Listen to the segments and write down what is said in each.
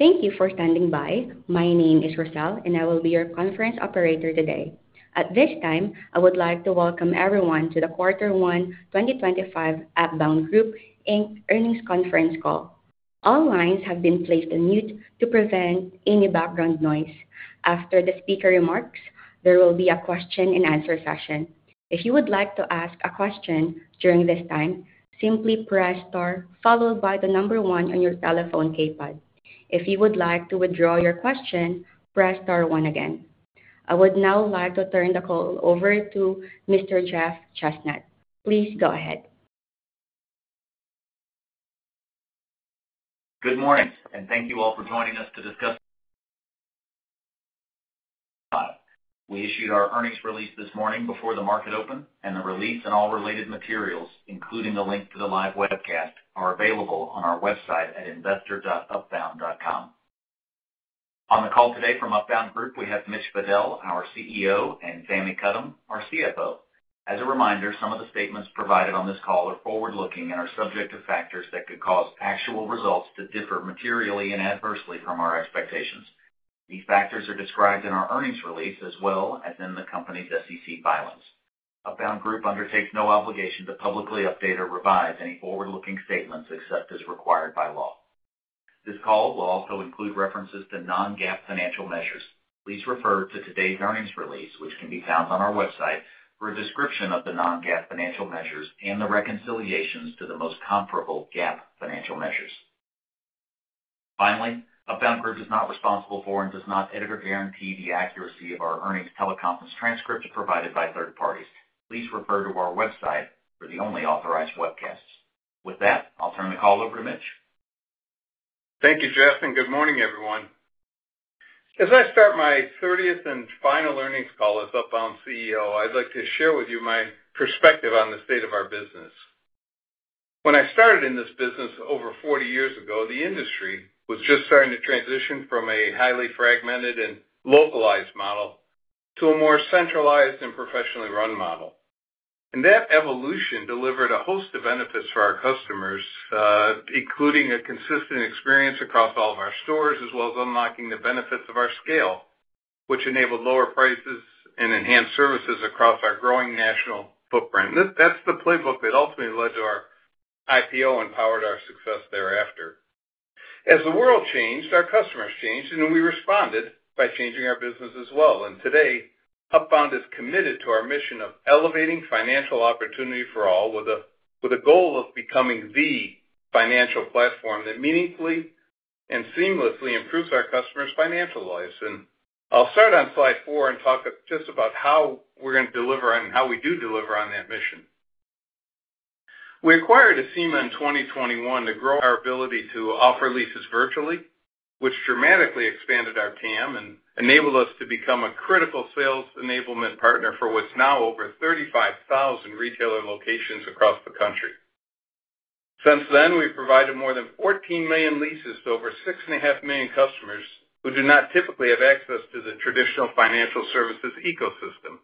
Thank you for standing by. My name is Rochelle, and I will be your conference operator today. At this time, I would like to welcome everyone to the Quarter 1, 2025, Upbound Group, Inc. earnings conference call. All lines have been placed on mute to prevent any background noise. After the speaker remarks, there will be a question-and-answer session. If you would like to ask a question during this time, simply press star followed by the number one on your telephone keypad. If you would like to withdraw your question, press star one again. I would now like to turn the call over to Mr. Jeff Chesnut. Please go ahead. Good morning, and thank you all for joining us to discuss. We issued our earnings release this morning before the market open, and the release and all related materials, including the link to the live webcast, are available on our website at investor.upbound.com. On the call today from Upbound Group, we have Mitch Fadel, our CEO, and Fahmi Karam, our CFO. As a reminder, some of the statements provided on this call are forward-looking and are subject to factors that could cause actual results to differ materially and adversely from our expectations. These factors are described in our earnings release as well as in the company's SEC filings. Upbound Group undertakes no obligation to publicly update or revise any forward-looking statements except as required by law. This call will also include references to non-GAAP financial measures. Please refer to today's earnings release, which can be found on our website, for a description of the non-GAAP financial measures and the reconciliations to the most comparable GAAP financial measures. Finally, Upbound Group is not responsible for and does not edit or guarantee the accuracy of our earnings teleconference transcripts provided by third parties. Please refer to our website for the only authorized webcasts. With that, I'll turn the call over to Mitch. Thank you, Jeff, and good morning, everyone. As I start my 30th and final earnings call as Upbound CEO, I'd like to share with you my perspective on the state of our business. When I started in this business over 40 years ago, the industry was just starting to transition from a highly fragmented and localized model to a more centralized and professionally run model. That evolution delivered a host of benefits for our customers, including a consistent experience across all of our stores, as well as unlocking the benefits of our scale, which enabled lower prices and enhanced services across our growing national footprint. That's the playbook that ultimately led to our IPO and powered our success thereafter. As the world changed, our customers changed, and we responded by changing our business as well. Today, Upbound is committed to our mission of elevating financial opportunity for all with a goal of becoming the financial platform that meaningfully and seamlessly improves our customers' financial lives. I'll start on slide four and talk just about how we're going to deliver and how we do deliver on that mission. We acquired Acima in 2021 to grow our ability to offer leases virtually, which dramatically expanded our TAM and enabled us to become a critical sales enablement partner for what is now over 35,000 retailer locations across the country. Since then, we've provided more than 14 million leases to over 6.5 million customers who do not typically have access to the traditional financial services ecosystem.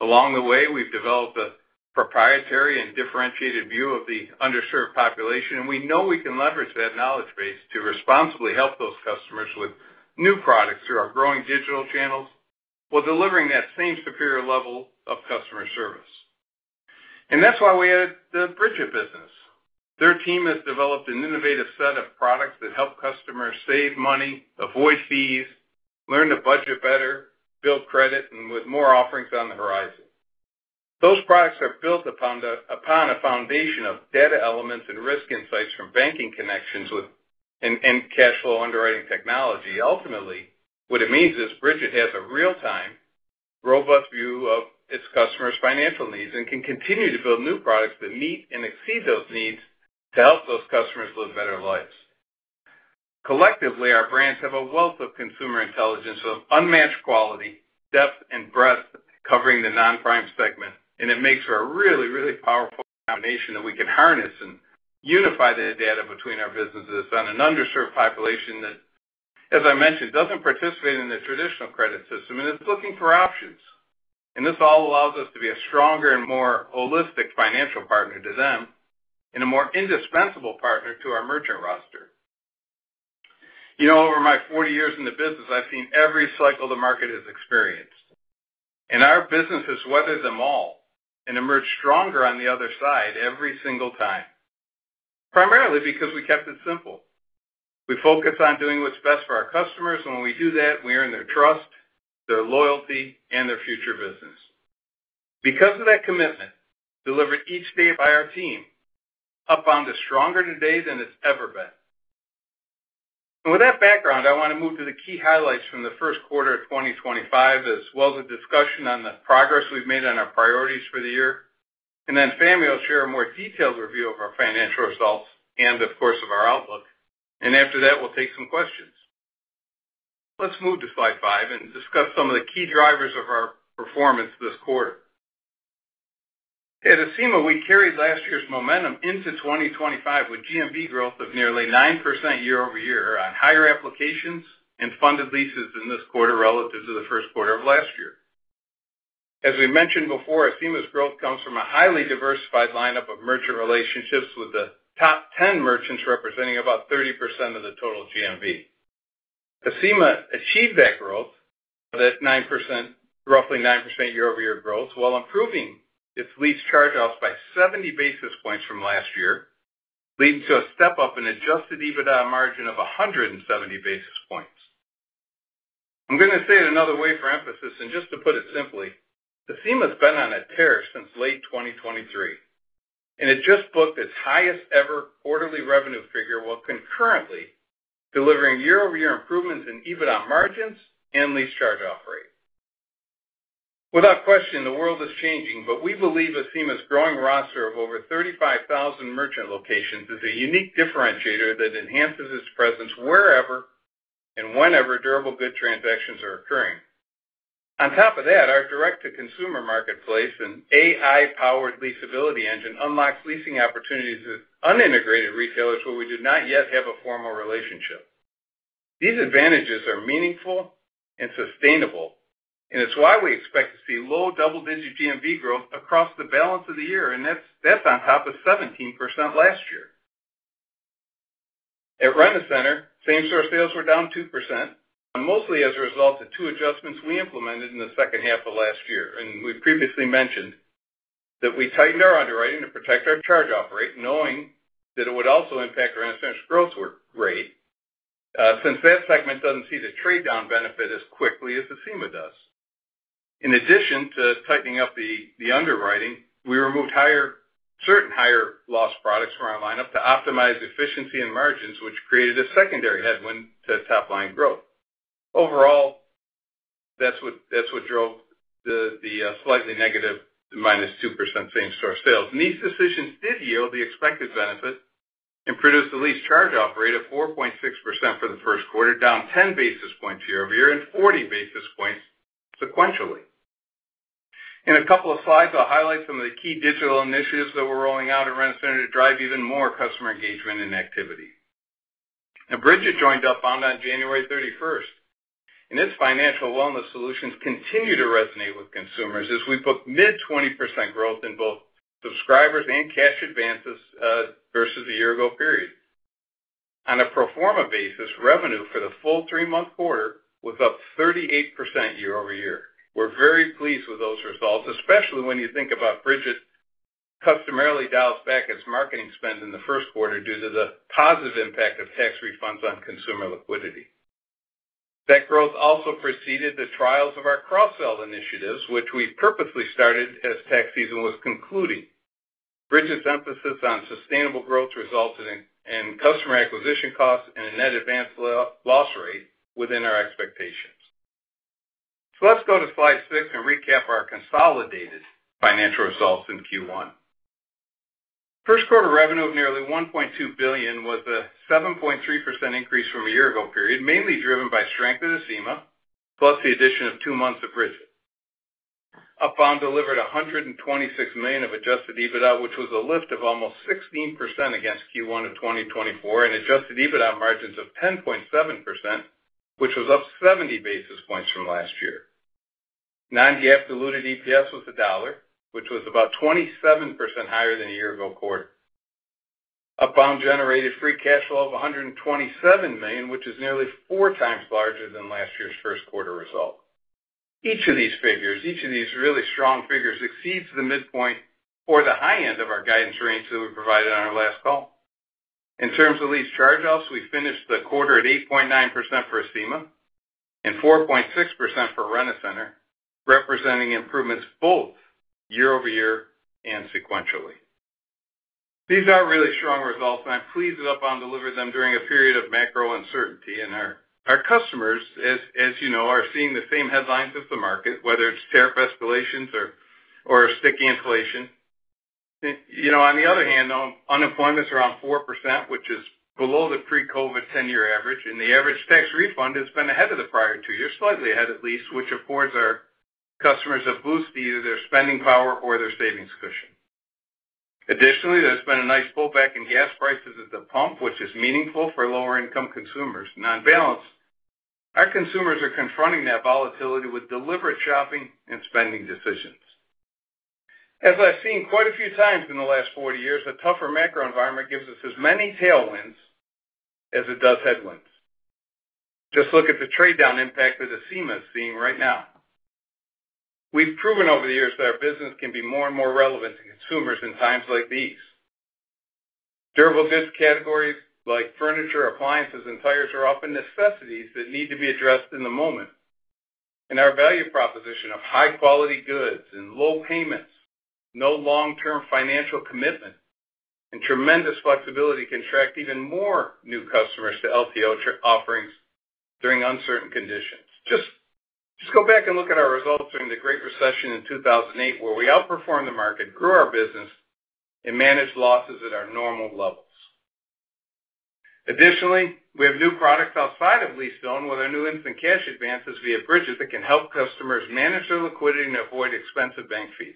Along the way, we've developed a proprietary and differentiated view of the underserved population, and we know we can leverage that knowledge base to responsibly help those customers with new products through our growing digital channels while delivering that same superior level of customer service. That is why we added the Brigit business. Their team has developed an innovative set of products that help customers save money, avoid fees, learn to budget better, build credit, and with more offerings on the horizon. Those products are built upon a foundation of data elements and risk insights from banking connections and cash flow underwriting technology. Ultimately, what it means is Brigit has a real-time, robust view of its customers' financial needs and can continue to build new products that meet and exceed those needs to help those customers live better lives. Collectively, our brands have a wealth of consumer intelligence of unmatched quality, depth, and breadth covering the non-prime segment, and it makes for a really, really powerful combination that we can harness and unify the data between our businesses on an underserved population that, as I mentioned, does not participate in the traditional credit system and is looking for options. This all allows us to be a stronger and more holistic financial partner to them and a more indispensable partner to our merchant roster. Over my 40 years in the business, I have seen every cycle the market has experienced. Our business has weathered them all and emerged stronger on the other side every single time, primarily because we kept it simple. We focus on doing what is best for our customers, and when we do that, we earn their trust, their loyalty, and their future business. Because of that commitment delivered each day by our team, Upbound is stronger today than it's ever been. With that background, I want to move to the key highlights from the first quarter of 2025, as well as a discussion on the progress we've made on our priorities for the year. Then Fahmi will share a more detailed review of our financial results and, of course, of our outlook. After that, we'll take some questions. Let's move to slide five and discuss some of the key drivers of our performance this quarter. At Acima, we carried last year's momentum into 2025 with GMV growth of nearly 9% year-over-year on higher applications and funded leases in this quarter relative to the first quarter of last year. As we mentioned before, Acima's growth comes from a highly diversified lineup of merchant relationships with the top 10 merchants representing about 30% of the total GMV. Acima achieved that growth, that 9%, roughly 9% year-over-year growth, while improving its lease charge-offs by 70 basis points from last year, leading to a step-up in adjusted EBITDA margin of 170 basis points. I'm going to say it another way for emphasis, and just to put it simply, Acima's been on a tear since late 2023, and it just booked its highest-ever quarterly revenue figure while concurrently delivering year-over-year improvements in EBITDA margins and lease charge-off rate. Without question, the world is changing, but we believe Acima's growing roster of over 35,000 merchant locations is a unique differentiator that enhances its presence wherever and whenever durable goods transactions are occurring. On top of that, our direct-to-consumer marketplace and AI-powered leasability engine unlocks leasing opportunities with unintegrated retailers where we do not yet have a formal relationship. These advantages are meaningful and sustainable, and it's why we expect to see low double-digit GMV growth across the balance of the year, and that's on top of 17% last year. At Rent-A-Center, same-store sales were down 2%, mostly as a result of two adjustments we implemented in the second half of last year. We've previously mentioned that we tightened our underwriting to protect our charge-off rate, knowing that it would also impact our end-of-service growth rate, since that segment doesn't see the trade-down benefit as quickly as Acima does. In addition to tightening up the underwriting, we removed certain higher-loss products from our lineup to optimize efficiency and margins, which created a secondary headwind to top-line growth. Overall, that's what drove the slightly negative -2% same-store sales. These decisions did yield the expected benefit and produce the lease charge-off rate of 4.6% for the first quarter, down 10 bps year-over-year and 40 bps sequentially. In a couple of slides, I'll highlight some of the key digital initiatives that we're rolling out at Rent-A-Center to drive even more customer engagement and activity. Now, Brigit joined Upbound on January 31st, and its financial wellness solutions continue to resonate with consumers as we booked mid-20% growth in both subscribers and cash advances versus a year-ago period. On a pro forma basis, revenue for the full three-month quarter was up 38% year-over-year. We're very pleased with those results, especially when you think about Brigit customarily dials back its marketing spend in the first quarter due to the positive impact of tax refunds on consumer liquidity. That growth also preceded the trials of our cross-sell initiatives, which we purposely started as tax season was concluding. Brigit's emphasis on sustainable growth resulted in customer acquisition costs and a net advance loss rate within our expectations. Let's go to slide six and recap our consolidated financial results in Q1. First quarter revenue of nearly $1.2 billion was a 7.3% increase from a year-ago period, mainly driven by strength at Acima, plus the addition of two months of Brigit. Upbound delivered $126 million of adjusted EBITDA, which was a lift of almost 16% against Q1 of 2024, and adjusted EBITDA margins of 10.7%, which was up 70 bps from last year. Non-GAAP diluted EPS was $1, which was about 27% higher than a year-ago quarter. Upbound generated free cash flow of $127 million, which is nearly four times larger than last year's first quarter result. Each of these figures, each of these really strong figures exceeds the midpoint or the high end of our guidance range that we provided on our last call. In terms of lease charge-offs, we finished the quarter at 8.9% for Acima and 4.6% for Rent-A-Center, representing improvements both year-over-year and sequentially. These are really strong results, and I'm pleased that Upbound delivered them during a period of macro uncertainty. Our customers, as you know, are seeing the same headlines as the market, whether it's tariff escalations or sticky inflation. On the other hand, unemployment's around 4%, which is below the pre-COVID 10-year average, and the average tax refund has been ahead of the prior two years, slightly ahead at least, which affords our customers a boost to either their spending power or their savings cushion. Additionally, there's been a nice pullback in gas prices at the pump, which is meaningful for lower-income consumers. On balance, our consumers are confronting that volatility with deliberate shopping and spending decisions. As I've seen quite a few times in the last 40 years, a tougher macro environment gives us as many tailwinds as it does headwinds. Just look at the trade-down impact that Acima is seeing right now. We've proven over the years that our business can be more and more relevant to consumers in times like these. Durable goods categories like furniture, appliances, and tires are often necessities that need to be addressed in the moment. Our value proposition of high-quality goods and low payments, no long-term financial commitment, and tremendous flexibility can attract even more new customers to LTO offerings during uncertain conditions. Just go back and look at our results during the Great Recession in 2008, where we outperformed the market, grew our business, and managed losses at our normal levels. Additionally, we have new products outside of lease-to-own with our new instant cash advances via Brigit that can help customers manage their liquidity and avoid expensive bank fees.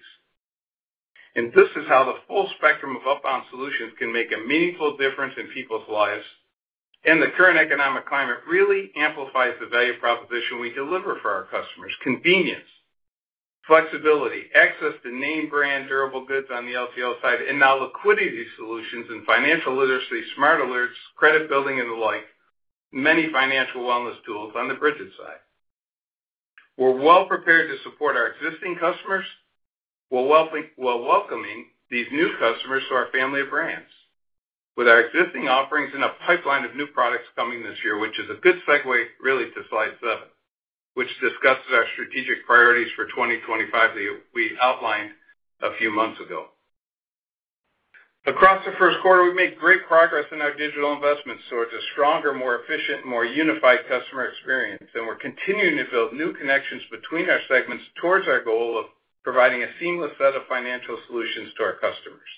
This is how the full spectrum of Upbound Solutions can make a meaningful difference in people's lives. The current economic climate really amplifies the value proposition we deliver for our customers: convenience, flexibility, access to name-brand durable goods on the LTO side, and now liquidity solutions and financial literacy, smart alerts, credit building, and the like, many financial wellness tools on the Brigit side. We're well-prepared to support our existing customers while welcoming these new customers to our family of brands with our existing offerings and a pipeline of new products coming this year, which is a good segue really to slide seven, which discusses our strategic priorities for 2025 that we outlined a few months ago. Across the first quarter, we made great progress in our digital investments towards a stronger, more efficient, more unified customer experience, and we're continuing to build new connections between our segments towards our goal of providing a seamless set of financial solutions to our customers.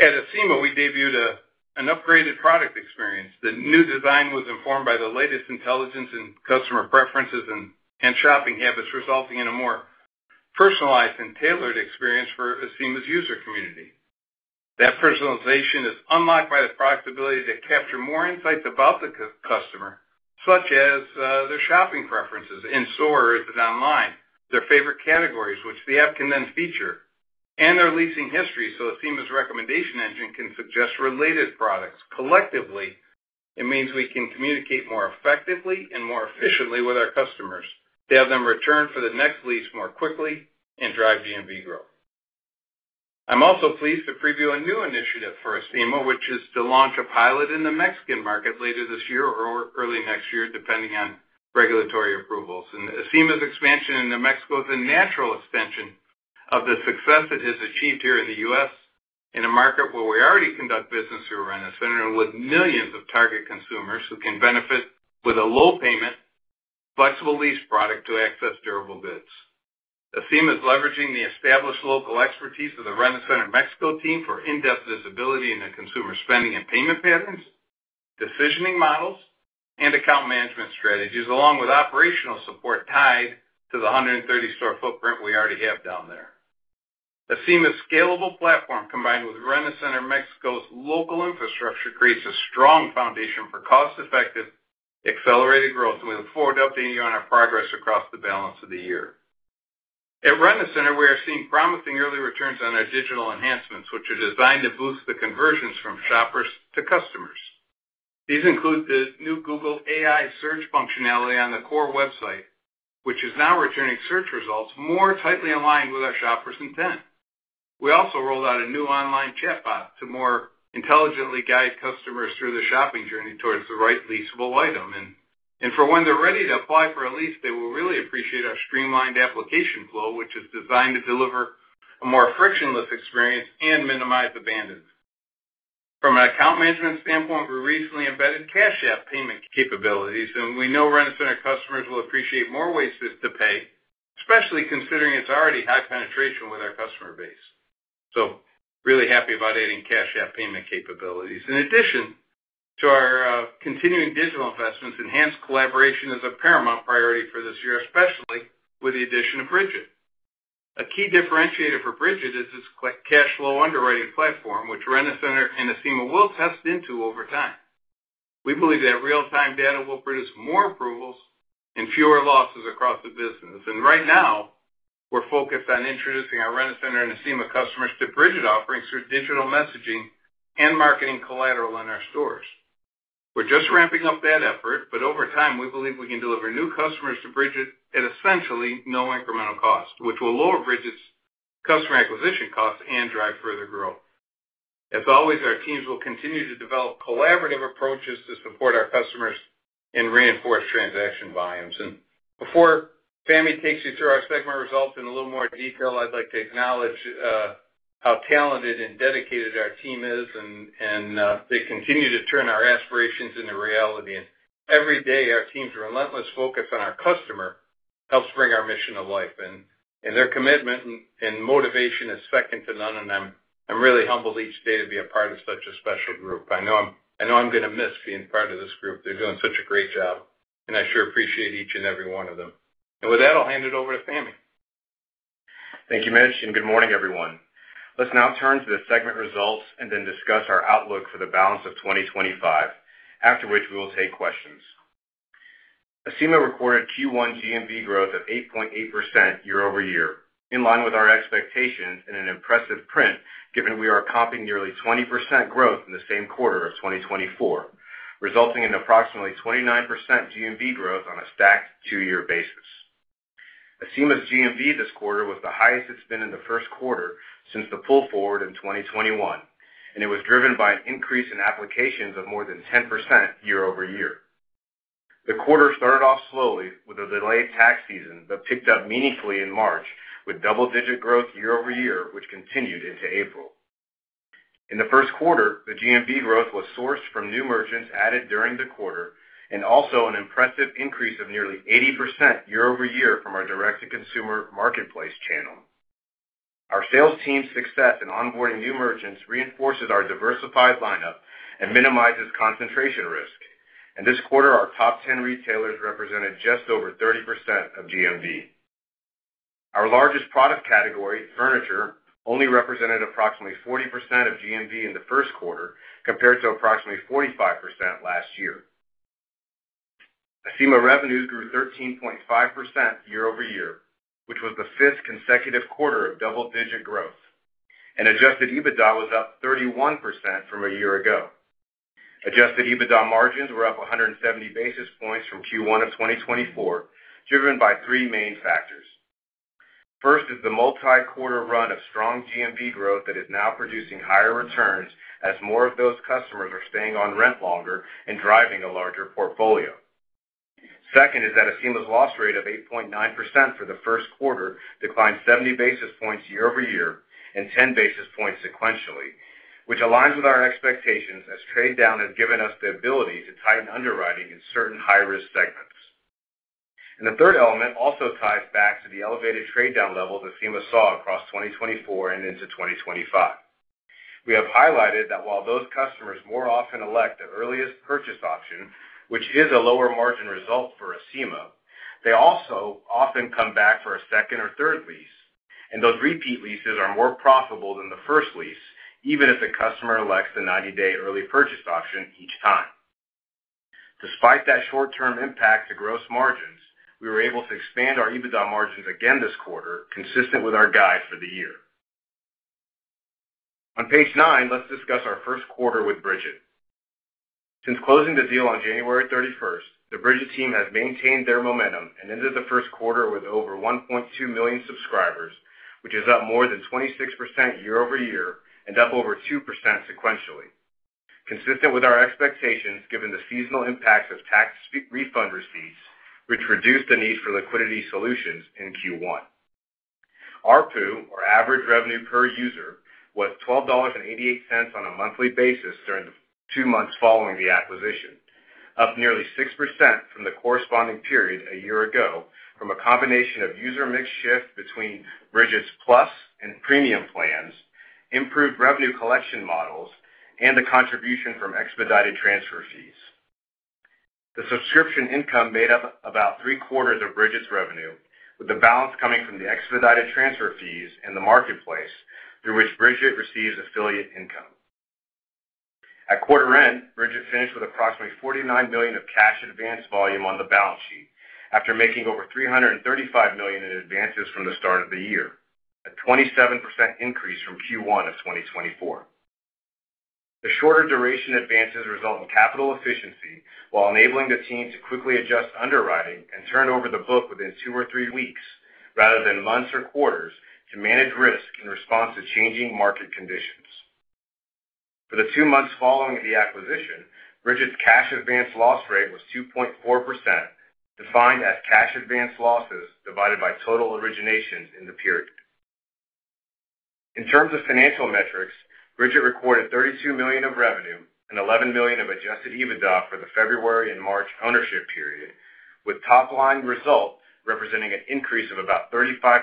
At Acima, we debuted an upgraded product experience. The new design was informed by the latest intelligence and customer preferences and shopping habits, resulting in a more personalized and tailored experience for Acima's user community. That personalization is unlocked by the product's ability to capture more insights about the customer, such as their shopping preferences in-store or online, their favorite categories, which the app can then feature, and their leasing history, so Acima's recommendation engine can suggest related products. Collectively, it means we can communicate more effectively and more efficiently with our customers to have them return for the next lease more quickly and drive GMV growth. I'm also pleased to preview a new initiative for Acima, which is to launch a pilot in the Mexican market later this year or early next year, depending on regulatory approvals. Acima's expansion into Mexico is a natural extension of the success it has achieved here in the U.S., in a market where we already conduct business through Rent-A-Center and with millions of target consumers who can benefit with a low-payment, flexible lease product to access durable goods. Acima is leveraging the established local expertise of the Rent-A-Center Mexico team for in-depth visibility into consumer spending and payment patterns, decisioning models, and account management strategies, along with operational support tied to the 130-store footprint we already have down there. Acima's scalable platform combined with Rent-A-Center Mexico's local infrastructure creates a strong foundation for cost-effective, accelerated growth, and we look forward to updating you on our progress across the balance of the year. At Rent-A-Center, we are seeing promising early returns on our digital enhancements, which are designed to boost the conversions from shoppers to customers. These include the new Google AI search functionality on the core website, which is now returning search results more tightly aligned with our shoppers' intent. We also rolled out a new online chatbot to more intelligently guide customers through the shopping journey towards the right leasable item. For when they're ready to apply for a lease, they will really appreciate our streamlined application flow, which is designed to deliver a more frictionless experience and minimize abandonment. From an account management standpoint, we recently embedded Cash App payment capabilities, and we know Rent-A-Center customers will appreciate more ways to pay, especially considering its already high penetration with our customer base. Really happy about adding Cash App payment capabilities. In addition to our continuing digital investments, enhanced collaboration is a paramount priority for this year, especially with the addition of Brigit. A key differentiator for Brigit is its cash flow underwriting platform, which Rent-A-Center and Acima will test into over time. We believe that real-time data will produce more approvals and fewer losses across the business. Right now, we're focused on introducing our Rent-A-Center and Acima customers to Brigit offerings through digital messaging and marketing collateral in our stores. We're just ramping up that effort, but over time, we believe we can deliver new customers to Brigit at essentially no incremental cost, which will lower Brigit's customer acquisition costs and drive further growth. As always, our teams will continue to develop collaborative approaches to support our customers and reinforce transaction volumes. Before Fahmi takes you through our segment results in a little more detail, I'd like to acknowledge how talented and dedicated our team is, and they continue to turn our aspirations into reality. Every day, our team's relentless focus on our customer helps bring our mission to life. Their commitment and motivation is second to none, and I'm really humbled each day to be a part of such a special group. I know I'm going to miss being part of this group. They're doing such a great job, and I sure appreciate each and every one of them. With that, I'll hand it over to Fahmi. Thank you, Mitch. Good morning, everyone. Let's now turn to the segment results and then discuss our outlook for the balance of 2025, after which we will take questions. Acima recorded Q1 GMV growth of 8.8% year-over-year, in line with our expectations and an impressive print, given we are comping nearly 20% growth in the same quarter of 2024, resulting in approximately 29% GMV growth on a stacked two-year basis. Acima's GMV this quarter was the highest it's been in the first quarter since the pull forward in 2021, and it was driven by an increase in applications of more than 10% year-over-year. The quarter started off slowly with a delayed tax season but picked up meaningfully in March, with double-digit growth year-over-year, which continued into April. In the first quarter, the GMV growth was sourced from new merchants added during the quarter and also an impressive increase of nearly 80% year-over-year from our direct-to-consumer marketplace channel. Our sales team's success in onboarding new merchants reinforces our diversified lineup and minimizes concentration risk. This quarter, our top 10 retailers represented just over 30% of GMV. Our largest product category, furniture, only represented approximately 40% of GMV in the first quarter compared to approximately 45% last year. Acima revenues grew 13.5% year-over-year, which was the fifth consecutive quarter of double-digit growth. Adjusted EBITDA was up 31% from a year ago. Adjusted EBITDA margins were up 170 bps from Q1 of 2024, driven by three main factors. First is the multi-quarter run of strong GMV growth that is now producing higher returns as more of those customers are staying on rent longer and driving a larger portfolio. Second is that Acima's loss rate of 8.9% for the first quarter declined 70 bps year-over-year and 10 bps sequentially, which aligns with our expectations as trade-down has given us the ability to tighten underwriting in certain high-risk segments. The third element also ties back to the elevated trade-down levels Acima saw across 2024 and into 2025. We have highlighted that while those customers more often elect the earliest purchase option, which is a lower margin result for Acima, they also often come back for a second or third lease, and those repeat leases are more profitable than the first lease, even if the customer elects the 90-day early purchase option each time. Despite that short-term impact to gross margins, we were able to expand our EBITDA margins again this quarter, consistent with our guide for the year. On page nine, let's discuss our first quarter with Brigit. Since closing the deal on January 31st, the Brigit team has maintained their momentum and ended the first quarter with over 1.2 million subscribers, which is up more than 26% year-over-year and up over 2% sequentially, consistent with our expectations given the seasonal impacts of tax refund receipts, which reduced the need for liquidity solutions in Q1. Our ARPU, or average revenue per user, was $12.88 on a monthly basis during the two months following the acquisition, up nearly 6% from the corresponding period a year ago from a combination of user mix shift between Brigit's Plus and Premium plans, improved revenue collection models, and the contribution from expedited transfer fees. The subscription income made up about three-quarters of Brigit's revenue, with the balance coming from the expedited transfer fees and the marketplace through which Brigit receives affiliate income. At quarter end, Brigit finished with approximately $49 million of cash advance volume on the balance sheet after making over $335 million in advances from the start of the year, a 27% increase from Q1 of 2024. The shorter duration advances result in capital efficiency while enabling the team to quickly adjust underwriting and turn over the book within two or three weeks, rather than months or quarters, to manage risk in response to changing market conditions. For the two months following the acquisition, Brigit's cash advance loss rate was 2.4%, defined as cash advance losses divided by total originations in the period. In terms of financial metrics, Brigit recorded $32 million of revenue and $11 million of adjusted EBITDA for the February and March ownership period, with top-line result representing an increase of about 35%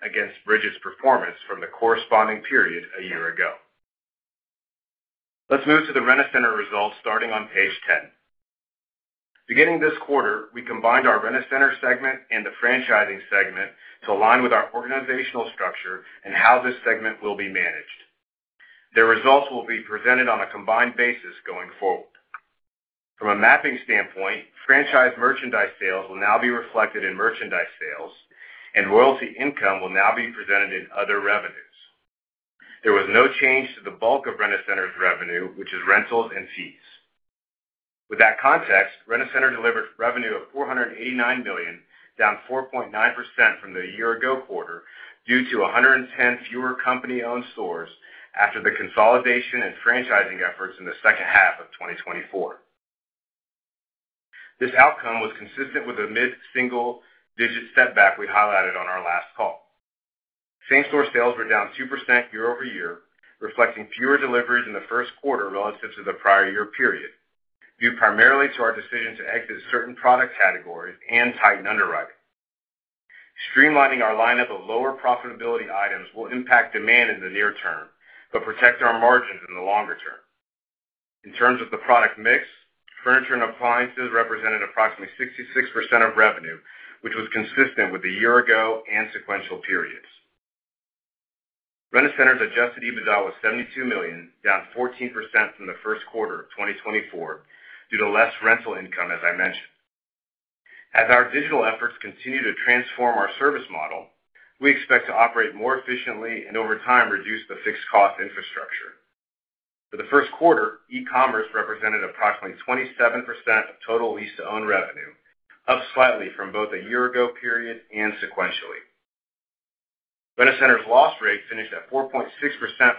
against Brigit's performance from the corresponding period a year ago. Let's move to the Rent-A-Center results starting on page 10. Beginning this quarter, we combined our Rent-A-Center segment and the franchising segment to align with our organizational structure and how this segment will be managed. Their results will be presented on a combined basis going forward. From a mapping standpoint, franchise merchandise sales will now be reflected in merchandise sales, and royalty income will now be presented in other revenues. There was no change to the bulk of Rent-A-Center's revenue, which is rentals and fees. With that context, Rent-A-Center delivered revenue of $489 million, down 4.9% from the year-ago quarter due to 110 fewer company-owned stores after the consolidation and franchising efforts in the second half of 2024. This outcome was consistent with the mid-single-digit setback we highlighted on our last call. Same-store sales were down 2% year-over-year, reflecting fewer deliveries in the first quarter relative to the prior year period, due primarily to our decision to exit certain product categories and tighten underwriting. Streamlining our lineup of lower profitability items will impact demand in the near term but protect our margins in the longer term. In terms of the product mix, furniture and appliances represented approximately 66% of revenue, which was consistent with the year-ago and sequential periods. Rent-A-Center's adjusted EBITDA was $72 million, down 14% from the first quarter of 2024 due to less rental income, as I mentioned. As our digital efforts continue to transform our service model, we expect to operate more efficiently and over time reduce the fixed-cost infrastructure. For the first quarter, e-commerce represented approximately 27% of total lease-to-own revenue, up slightly from both the year-ago period and sequentially. Rent-A-Center's loss rate finished at 4.6%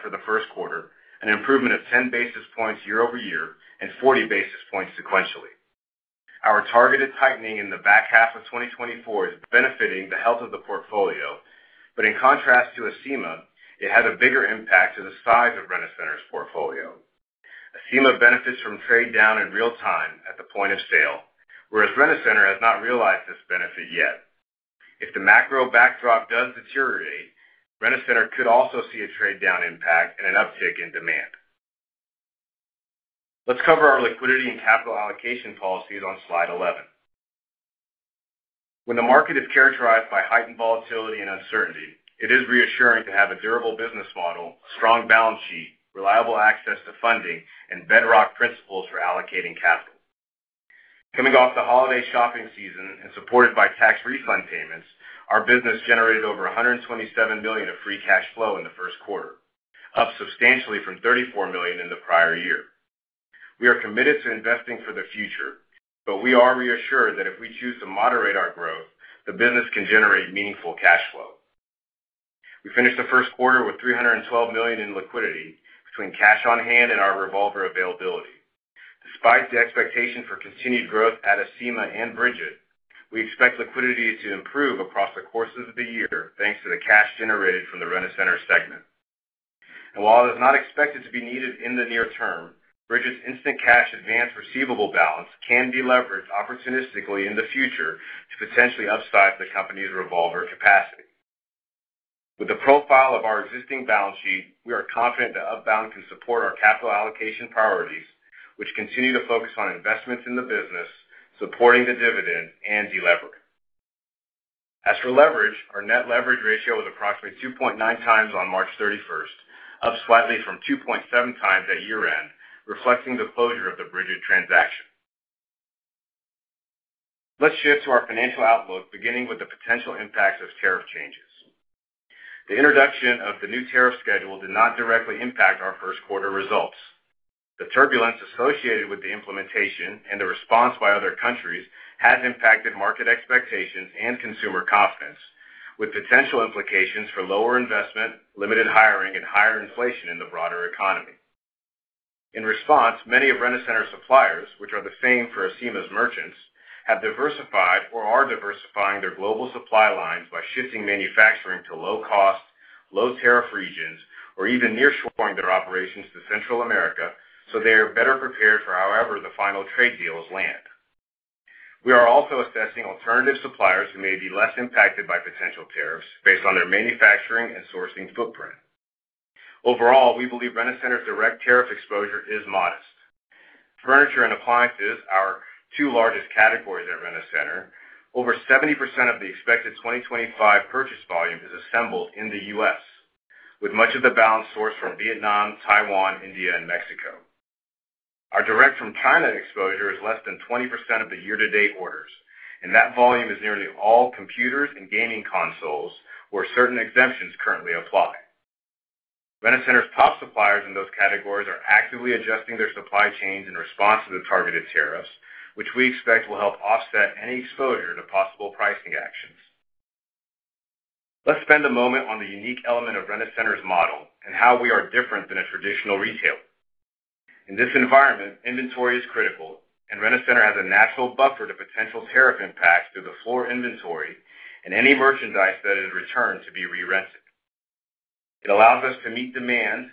for the first quarter, an improvement of 10 bps year-over-year and 40 bps sequentially. Our targeted tightening in the back half of 2024 is benefiting the health of the portfolio, but in contrast to Acima, it has a bigger impact to the size of Rent-A-Center's portfolio. Acima benefits from trade-down in real time at the point of sale, whereas Rent-A-Center has not realized this benefit yet. If the macro backdrop does deteriorate, Rent-A-Center could also see a trade-down impact and an uptick in demand. Let's cover our liquidity and capital allocation policies on slide 11. When the market is characterized by heightened volatility and uncertainty, it is reassuring to have a durable business model, a strong balance sheet, reliable access to funding, and bedrock principles for allocating capital. Coming off the holiday shopping season and supported by tax refund payments, our business generated over $127 million of free cash flow in the first quarter, up substantially from $34 million in the prior year. We are committed to investing for the future, but we are reassured that if we choose to moderate our growth, the business can generate meaningful cash flow. We finished the first quarter with $312 million in liquidity between cash on hand and our revolver availability. Despite the expectation for continued growth at Acima and Brigit, we expect liquidity to improve across the course of the year thanks to the cash generated from the Rent-A-Center segment. While it is not expected to be needed in the near term, Brigit's instant cash advance receivable balance can be leveraged opportunistically in the future to potentially upsize the company's revolver capacity. With the profile of our existing balance sheet, we are confident Upbound can support our capital allocation priorities, which continue to focus on investments in the business, supporting the dividend, and deleverage. As for leverage, our net leverage ratio was approximately 2.9 times on March 31st, up slightly from 2.7 times at year-end, reflecting the closure of the Brigit transaction. Let's shift to our financial outlook, beginning with the potential impacts of tariff changes. The introduction of the new tariff schedule did not directly impact our first quarter results. The turbulence associated with the implementation and the response by other countries has impacted market expectations and consumer confidence, with potential implications for lower investment, limited hiring, and higher inflation in the broader economy. In response, many of Rent-A-Center suppliers, which are the same for Acima's merchants, have diversified or are diversifying their global supply lines by shifting manufacturing to low-cost, low-tariff regions, or even nearshoring their operations to Central America so they are better prepared for however the final trade deals land. We are also assessing alternative suppliers who may be less impacted by potential tariffs based on their manufacturing and sourcing footprint. Overall, we believe Rent-A-Center's direct tariff exposure is modest. Furniture and appliances are two largest categories at Rent-A-Center. Over 70% of the expected 2025 purchase volume is assembled in the U.S., with much of the balance sourced from Vietnam, Taiwan, India, and Mexico. Our direct from China exposure is less than 20% of the year-to-date orders, and that volume is nearly all computers and gaming consoles, where certain exemptions currently apply. Rent-A-Center's top suppliers in those categories are actively adjusting their supply chains in response to the targeted tariffs, which we expect will help offset any exposure to possible pricing actions. Let's spend a moment on the unique element of Rent-A-Center's model and how we are different than a traditional retailer. In this environment, inventory is critical, and Rent-A-Center has a natural buffer to potential tariff impacts through the floor inventory and any merchandise that is returned to be re-rented. It allows us to meet demand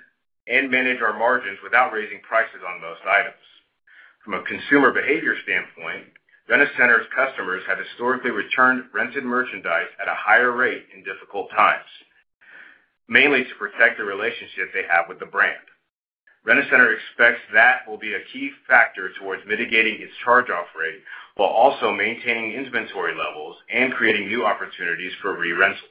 and manage our margins without raising prices on most items. From a consumer behavior standpoint, Rent-A-Center's customers have historically returned rented merchandise at a higher rate in difficult times, mainly to protect the relationship they have with the brand. Rent-A-Center expects that will be a key factor towards mitigating its charge-off rate while also maintaining inventory levels and creating new opportunities for re-rentals.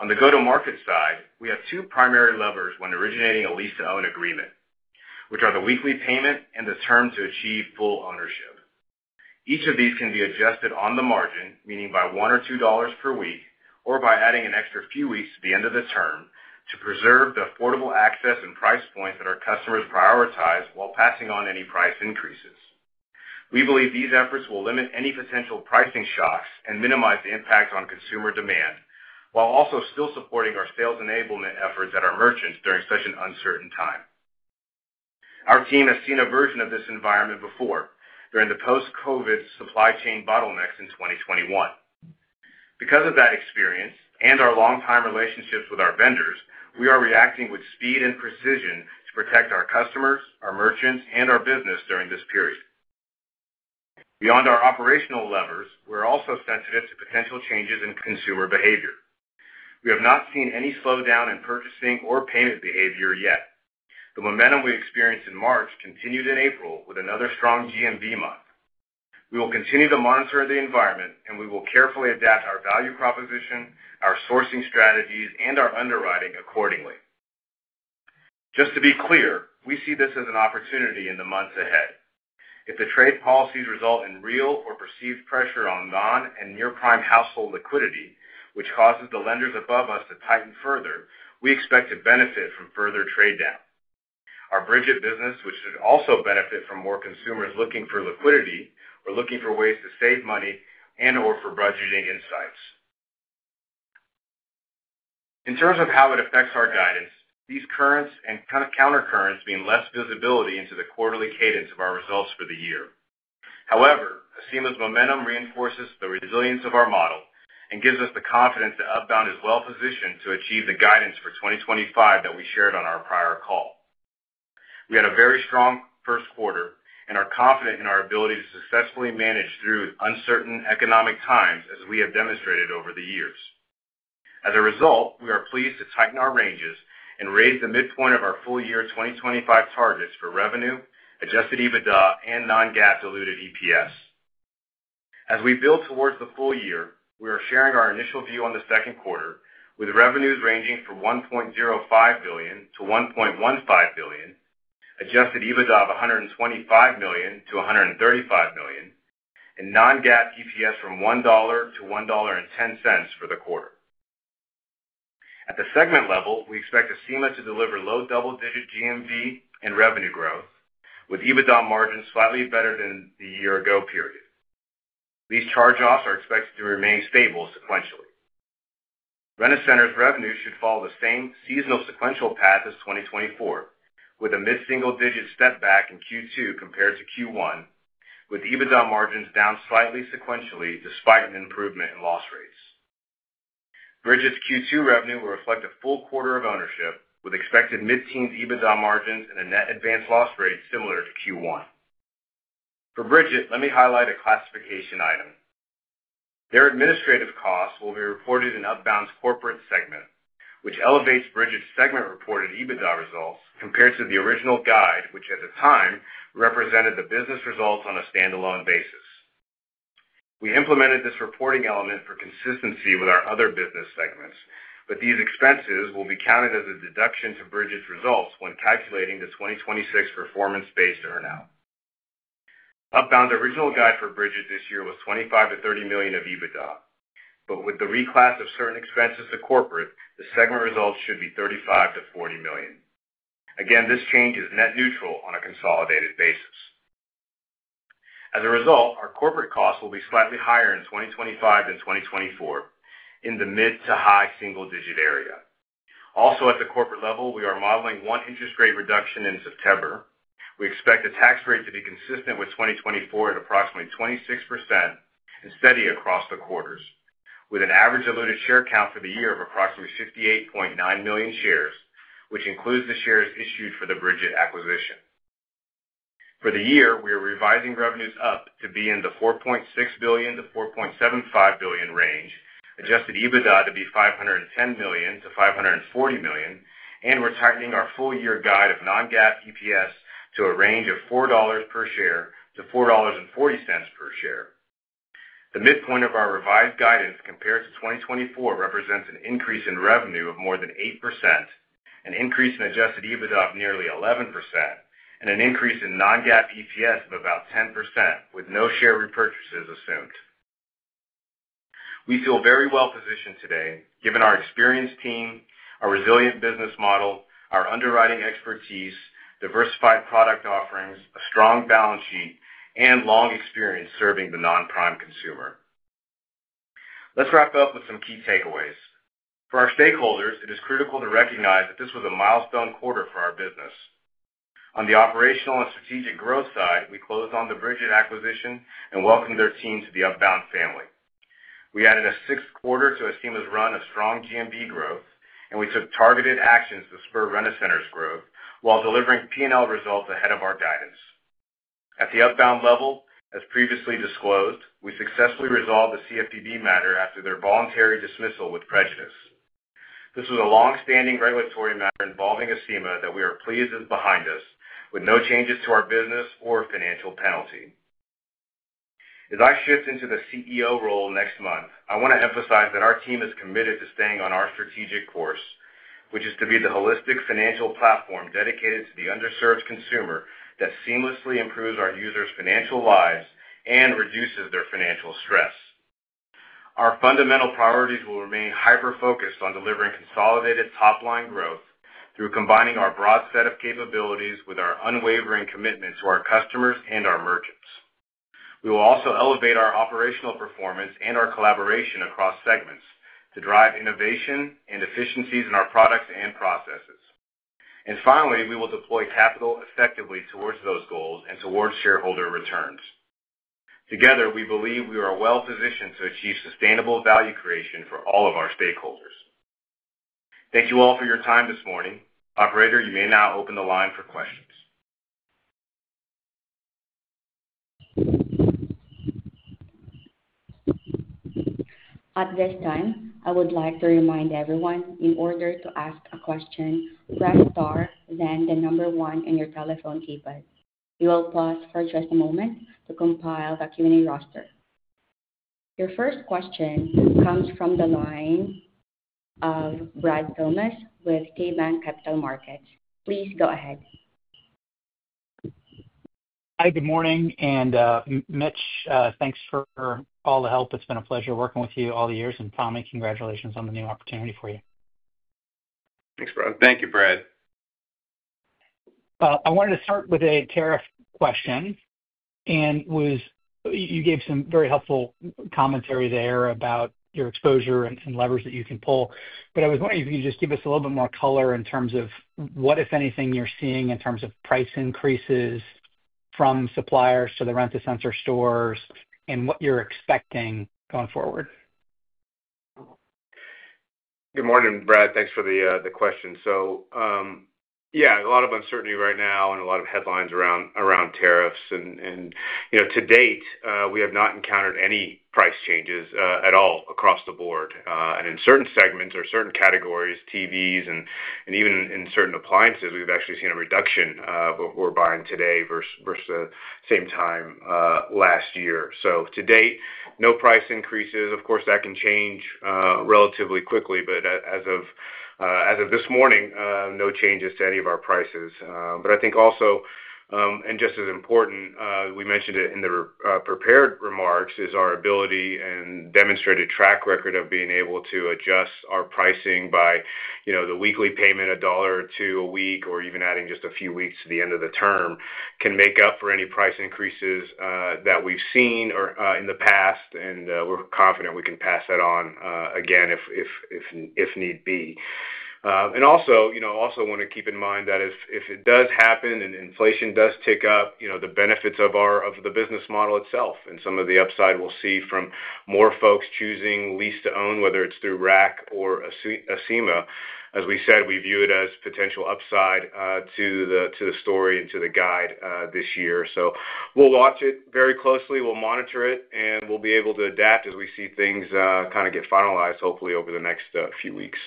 On the go-to-market side, we have two primary levers when originating a lease-to-own agreement, which are the weekly payment and the term to achieve full ownership. Each of these can be adjusted on the margin, meaning by $1 or $2 per week or by adding an extra few weeks to the end of the term to preserve the affordable access and price points that our customers prioritize while passing on any price increases. We believe these efforts will limit any potential pricing shocks and minimize the impact on consumer demand while also still supporting our sales enablement efforts at our merchants during such an uncertain time. Our team has seen a version of this environment before during the post-COVID supply chain bottlenecks in 2021. Because of that experience and our long-time relationships with our vendors, we are reacting with speed and precision to protect our customers, our merchants, and our business during this period. Beyond our operational levers, we're also sensitive to potential changes in consumer behavior. We have not seen any slowdown in purchasing or payment behavior yet. The momentum we experienced in March continued in April with another strong GMV month. We will continue to monitor the environment, and we will carefully adapt our value proposition, our sourcing strategies, and our underwriting accordingly. Just to be clear, we see this as an opportunity in the months ahead. If the trade policies result in real or perceived pressure on non- and near-prime household liquidity, which causes the lenders above us to tighten further, we expect to benefit from further trade-down. Our Brigit business, which should also benefit from more consumers looking for liquidity or looking for ways to save money and/or for budgeting insights. In terms of how it affects our guidance, these currents and countercurrents mean less visibility into the quarterly cadence of our results for the year. However, Acima's momentum reinforces the resilience of our model and gives us the confidence that Upbound is well-positioned to achieve the guidance for 2025 that we shared on our prior call. We had a very strong first quarter, and are confident in our ability to successfully manage through uncertain economic times, as we have demonstrated over the years. As a result, we are pleased to tighten our ranges and raise the midpoint of our full-year 2025 targets for revenue, adjusted EBITDA, and non-GAAP diluted EPS. As we build towards the full year, we are sharing our initial view on the second quarter, with revenues ranging from $1.05 billion-$1.15 billion, adjusted EBITDA of $125 million-$135 million, and non-GAAP EPS from $1-$1.10 for the quarter. At the segment level, we expect Acima to deliver low double-digit GMV and revenue growth, with EBITDA margins slightly better than the year-ago period. These charge-offs are expected to remain stable sequentially. Rent-A-Center's revenue should follow the same seasonal sequential path as 2024, with a mid-single-digit step back in Q2 compared to Q1, with EBITDA margins down slightly sequentially despite an improvement in loss rates. Brigit's Q2 revenue will reflect a full quarter of ownership, with expected mid-teens EBITDA margins and a net advance loss rate similar to Q1. For Brigit, let me highlight a classification item. Their administrative costs will be reported in Upbound's corporate segment, which elevates Brigit's segment-reported EBITDA results compared to the original guide, which at the time represented the business results on a standalone basis. We implemented this reporting element for consistency with our other business segments, but these expenses will be counted as a deduction to Brigit's results when calculating the 2026 performance-based earnout. Upbound's original guide for Brigit this year was $25 million to $30 million of EBITDA, but with the reclass of certain expenses to corporate, the segment results should be $35 million to $40 million. Again, this change is net neutral on a consolidated basis. As a result, our corporate costs will be slightly higher in 2025 than 2024 in the mid to high single-digit area. Also, at the corporate level, we are modeling one interest rate reduction in September. We expect the tax rate to be consistent with 2024 at approximately 26% and steady across the quarters, with an average diluted share count for the year of approximately 58.9 million shares, which includes the shares issued for the Brigit acquisition. For the year, we are revising revenues up to be in the $4.6 billion-$4.75 billion range, adjusted EBITDA to be $510 million-$540 million, and we're tightening our full-year guide of non-GAAP EPS to a range of $4 per share-$4.40 per share. The midpoint of our revised guidance compared to 2024 represents an increase in revenue of more than 8%, an increase in adjusted EBITDA of nearly 11%, and an increase in non-GAAP EPS of about 10%, with no share repurchases assumed. We feel very well-positioned today, given our experienced team, our resilient business model, our underwriting expertise, diversified product offerings, a strong balance sheet, and long experience serving the non-prime consumer. Let's wrap up with some key takeaways. For our stakeholders, it is critical to recognize that this was a milestone quarter for our business. On the operational and strategic growth side, we closed on the Brigit acquisition and welcomed their team to the Upbound family. We added a sixth quarter to Acima's run of strong GMV growth, and we took targeted actions to spur Rent-A-Center's growth while delivering P&L results ahead of our guidance. At the Upbound level, as previously disclosed, we successfully resolved the CFPB matter after their voluntary dismissal with prejudice. This was a long-standing regulatory matter involving Acima that we are pleased is behind us, with no changes to our business or financial penalty. As I shift into the CEO role next month, I want to emphasize that our team is committed to staying on our strategic course, which is to be the holistic financial platform dedicated to the underserved consumer that seamlessly improves our users' financial lives and reduces their financial stress. Our fundamental priorities will remain hyper-focused on delivering consolidated top-line growth through combining our broad set of capabilities with our unwavering commitment to our customers and our merchants. We will also elevate our operational performance and our collaboration across segments to drive innovation and efficiencies in our products and processes. Finally, we will deploy capital effectively towards those goals and towards shareholder returns. Together, we believe we are well-positioned to achieve sustainable value creation for all of our stakeholders. Thank you all for your time this morning. Operator, you may now open the line for questions. At this time, I would like to remind everyone in order to ask a question, press star, then the number one on your telephone keypad. We will pause for just a moment to compile the Q&A roster. Your first question comes from the line of Brad Thomas with KeyBanc Capital Markets. Please go ahead. Hi, good morning. And Mitch, thanks for all the help. It's been a pleasure working with you all the years. And Fahmi, congratulations on the new opportunity for you. Thanks, Brad. Thank you, Brad. I wanted to start with a tariff question. You gave some very helpful commentary there about your exposure and levers that you can pull. I was wondering if you could just give us a little bit more color in terms of what, if anything, you're seeing in terms of price increases from suppliers to the Rent-A-Center stores and what you're expecting going forward. Good morning, Brad. Thanks for the question. Yeah, a lot of uncertainty right now and a lot of headlines around tariffs. To date, we have not encountered any price changes at all across the board. In certain segments or certain categories, TVs and even in certain appliances, we've actually seen a reduction of what we're buying today versus the same time last year. To date, no price increases. Of course, that can change relatively quickly, but as of this morning, no changes to any of our prices. I think also, and just as important, we mentioned it in the prepared remarks, is our ability and demonstrated track record of being able to adjust our pricing by the weekly payment, a dollar or two a week, or even adding just a few weeks to the end of the term can make up for any price increases that we've seen in the past. We're confident we can pass that on again if need be. Also want to keep in mind that if it does happen and inflation does tick up, the benefits of the business model itself and some of the upside we'll see from more folks choosing lease-to-own, whether it's through Rent-A-Center or Acima, as we said, we view it as potential upside to the story and to the guide this year. We'll watch it very closely. We'll monitor it, and we'll be able to adapt as we see things kind of get finalized, hopefully, over the next few weeks.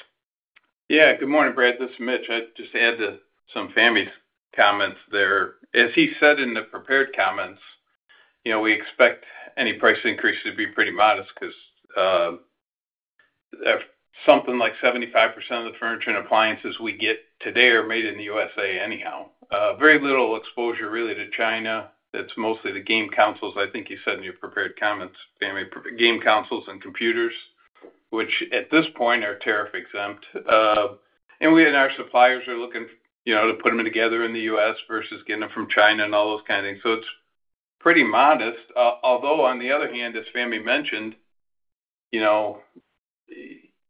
Yeah. Good morning, Brad. This is Mitch. I'd just add to some of Fahmi's comments there. As he said in the prepared comments, we expect any price increase to be pretty modest because something like 75% of the furniture and appliances we get today are made in the United States anyhow. Very little exposure, really, to China. It's mostly the game consoles, I think he said in your prepared comments, game consoles and computers, which at this point are tariff-exempt. Our suppliers are looking to put them together in the U.S. versus getting them from China and all those kinds of things. It is pretty modest. Although, on the other hand, as Fahmi mentioned,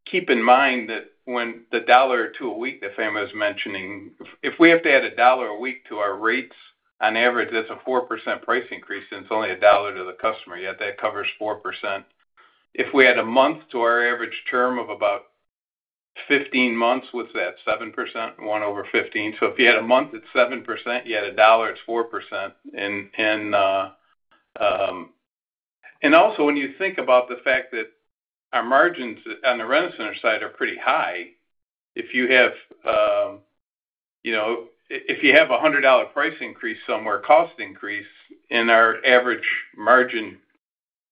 keep in mind that when the dollar or two a week that Fahmi was mentioning, if we have to add a dollar a week to our rates, on average, that's a 4% price increase, and it's only a dollar to the customer. Yet that covers 4%. If we add a month to our average term of about 15 months, what's that? 7%, 1/15. If you add a month, it's 7%. You add a dollar, it's 4%. Also, when you think about the fact that our margins on the Rent-A-Center side are pretty high, if you have a $100 price increase somewhere, cost increase in our average margin,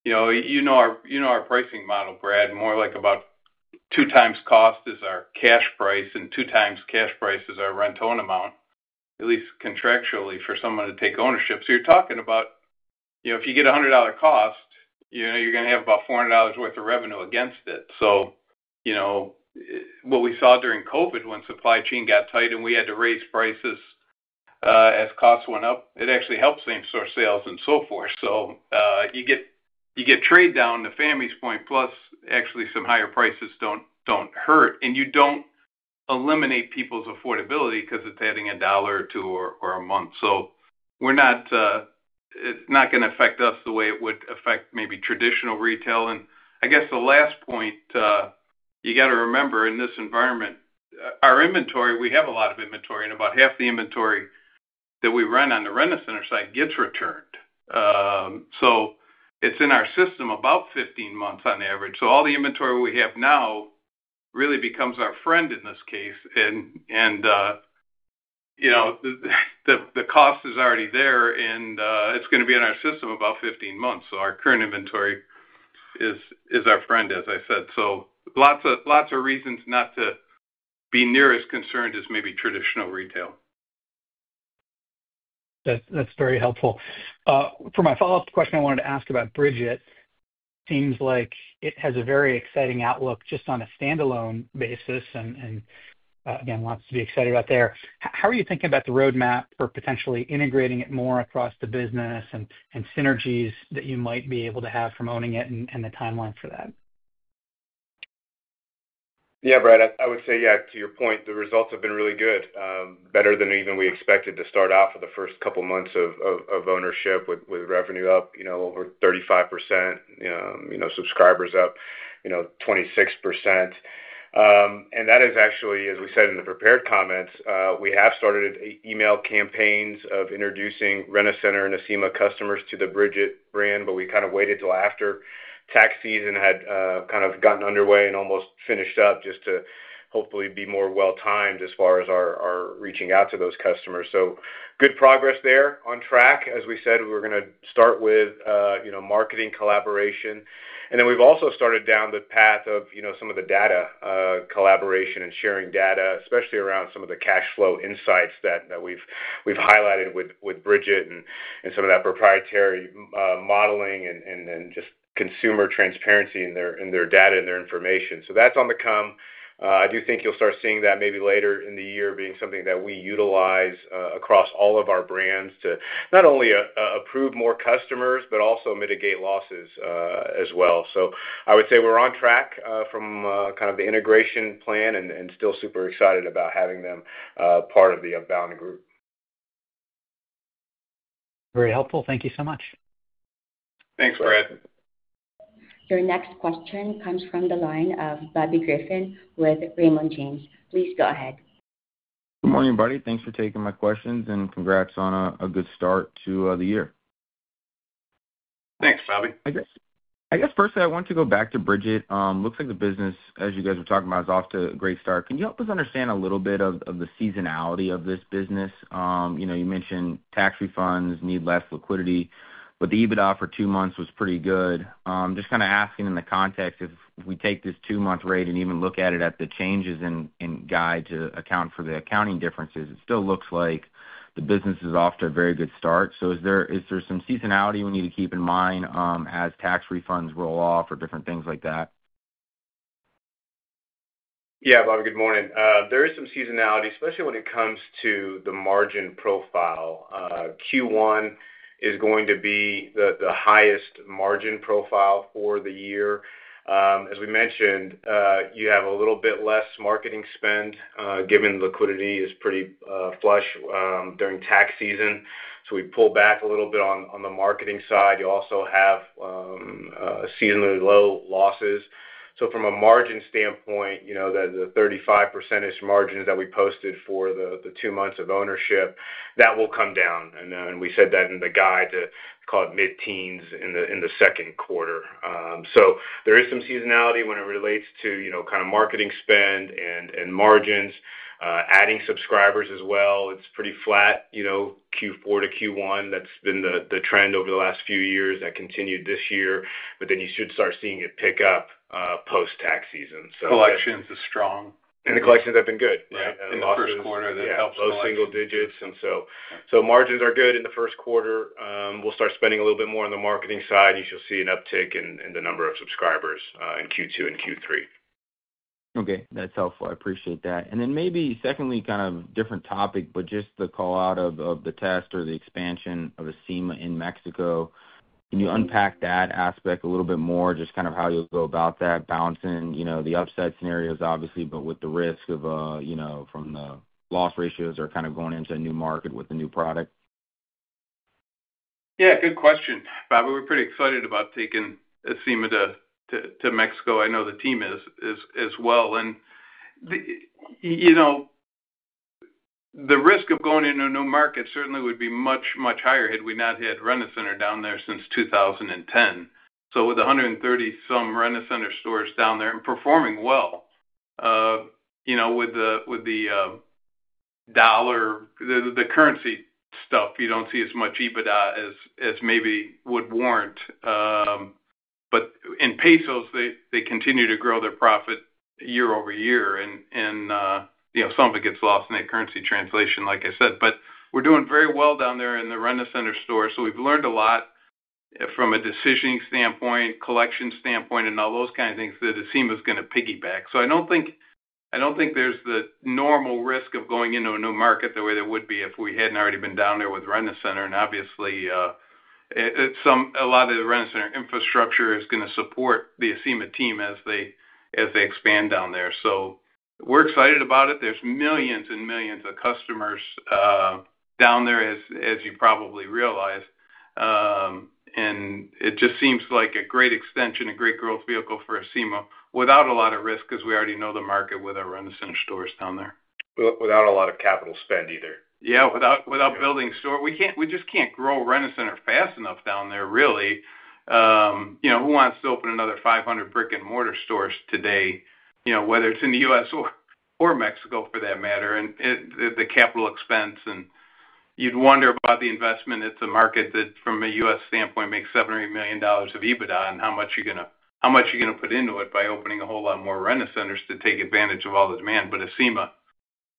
you know our pricing model, Brad, more like about two times cost is our cash price and two times cash price is our rent-own amount, at least contractually for someone to take ownership. You are talking about if you get a $100 cost, you are going to have about $400 worth of revenue against it. What we saw during COVID when supply chain got tight and we had to raise prices as costs went up, it actually helps same-store sales and so forth. You get trade-down to Fahmi's point, plus actually some higher prices do not hurt. You do not eliminate people's affordability because it is adding a dollar or two or a month. It's not going to affect us the way it would affect maybe traditional retail. I guess the last point you got to remember in this environment, our inventory, we have a lot of inventory, and about half the inventory that we run on the Rent-A-Center side gets returned. It's in our system about 15 months on average. All the inventory we have now really becomes our friend in this case. The cost is already there, and it's going to be in our system about 15 months. Our current inventory is our friend, as I said. Lots of reasons not to be near as concerned as maybe traditional retail. That's very helpful. For my follow-up question, I wanted to ask about Brigit. It seems like it has a very exciting outlook just on a standalone basis and, again, wants to be excited about there. How are you thinking about the roadmap for potentially integrating it more across the business and synergies that you might be able to have from owning it and the timeline for that? Yeah, Brad, I would say, yeah, to your point, the results have been really good, better than even we expected to start off with the first couple of months of ownership with revenue up over 35%, subscribers up 26%. That is actually, as we said in the prepared comments, we have started email campaigns of introducing Rent-A-Center and Acima customers to the Brigit brand, but we kind of waited till after tax season had kind of gotten underway and almost finished up just to hopefully be more well-timed as far as our reaching out to those customers. Good progress there, on track. As we said, we're going to start with marketing collaboration. We've also started down the path of some of the data collaboration and sharing data, especially around some of the cash flow insights that we've highlighted with Brigit and some of that proprietary modeling and just consumer transparency in their data and their information. That's on the come. I do think you'll start seeing that maybe later in the year being something that we utilize across all of our brands to not only approve more customers, but also mitigate losses as well. I would say we're on track from kind of the integration plan and still super excited about having them part of the Upbound Group. Very helpful. Thank you so much. Thanks, Brad. Your next question comes from the line of Bobby Griffin with Raymond James. Please go ahead. Good morning, Buddy. Thanks for taking my questions and congrats on a good start to the year. Thanks, Bobby. I guess firstly, I want to go back to Brigit. Looks like the business, as you guys were talking about, is off to a great start. Can you help us understand a little bit of the seasonality of this business? You mentioned tax refunds need less liquidity, but the EBITDA for two months was pretty good. Just kind of asking in the context, if we take this two-month rate and even look at it at the changes in guide to account for the accounting differences, it still looks like the business is off to a very good start. Is there some seasonality we need to keep in mind as tax refunds roll off or different things like that? Yeah, Bobby, good morning. There is some seasonality, especially when it comes to the margin profile. Q1 is going to be the highest margin profile for the year. As we mentioned, you have a little bit less marketing spend given liquidity is pretty flush during tax season. We pull back a little bit on the marketing side. You also have seasonally low losses. From a margin standpoint, the 35%-ish margins that we posted for the two months of ownership, that will come down. We said that in the guide to call it mid-teens in the second quarter. There is some seasonality when it relates to kind of marketing spend and margins, adding subscribers as well. It's pretty flat Q4 to Q1. That's been the trend over the last few years that continued this year. You should start seeing it pick up post-tax season. Collections are strong. The collections have been good. In the first quarter, that helps a lot. Low single digits. Margins are good in the first quarter. We'll start spending a little bit more on the marketing side. You should see an uptick in the number of subscribers in Q2 and Q3. Okay. That's helpful. I appreciate that. Maybe secondly, kind of different topic, just the call out of the test or the expansion of Acima in Mexico. Can you unpack that aspect a little bit more, just kind of how you'll go about that, balancing the upside scenarios, obviously, but with the risk from the loss ratios or kind of going into a new market with a new product? Good question. Bobby, we're pretty excited about taking Acima to Mexico. I know the team is as well. The risk of going into a new market certainly would be much, much higher had we not had Rent-A-Center down there since 2010. With 130-some Rent-A-Center stores down there and performing well with the dollar, the currency stuff, you do not see as much EBITDA as maybe would warrant. In pesos, they continue to grow their profit year over year. Some of it gets lost in that currency translation, like I said. We are doing very well down there in the Rent-A-Center store. We have learned a lot from a decision standpoint, collection standpoint, and all those kinds of things that Acima is going to piggyback. I do not think there is the normal risk of going into a new market the way there would be if we had not already been down there with Rent-A-Center. Obviously, a lot of the Rent-A-Center infrastructure is going to support the Acima team as they expand down there. We're excited about it. There are millions and millions of customers down there, as you probably realize. It just seems like a great extension, a great growth vehicle for Acima without a lot of risk because we already know the market with our Rent-A-Center stores down there. Without a lot of capital spend either. Yeah, without building store. We just can't grow Rent-A-Center fast enough down there, really. Who wants to open another 500 brick-and-mortar stores today, whether it's in the U.S. or Mexico for that matter, and the capital expense? You'd wonder about the investment. It's a market that, from a U.S. standpoint, makes $7 million to $8 million of EBITDA. How much are you going to put into it by opening a whole lot more Rent-A-Centers to take advantage of all the demand? But Acima,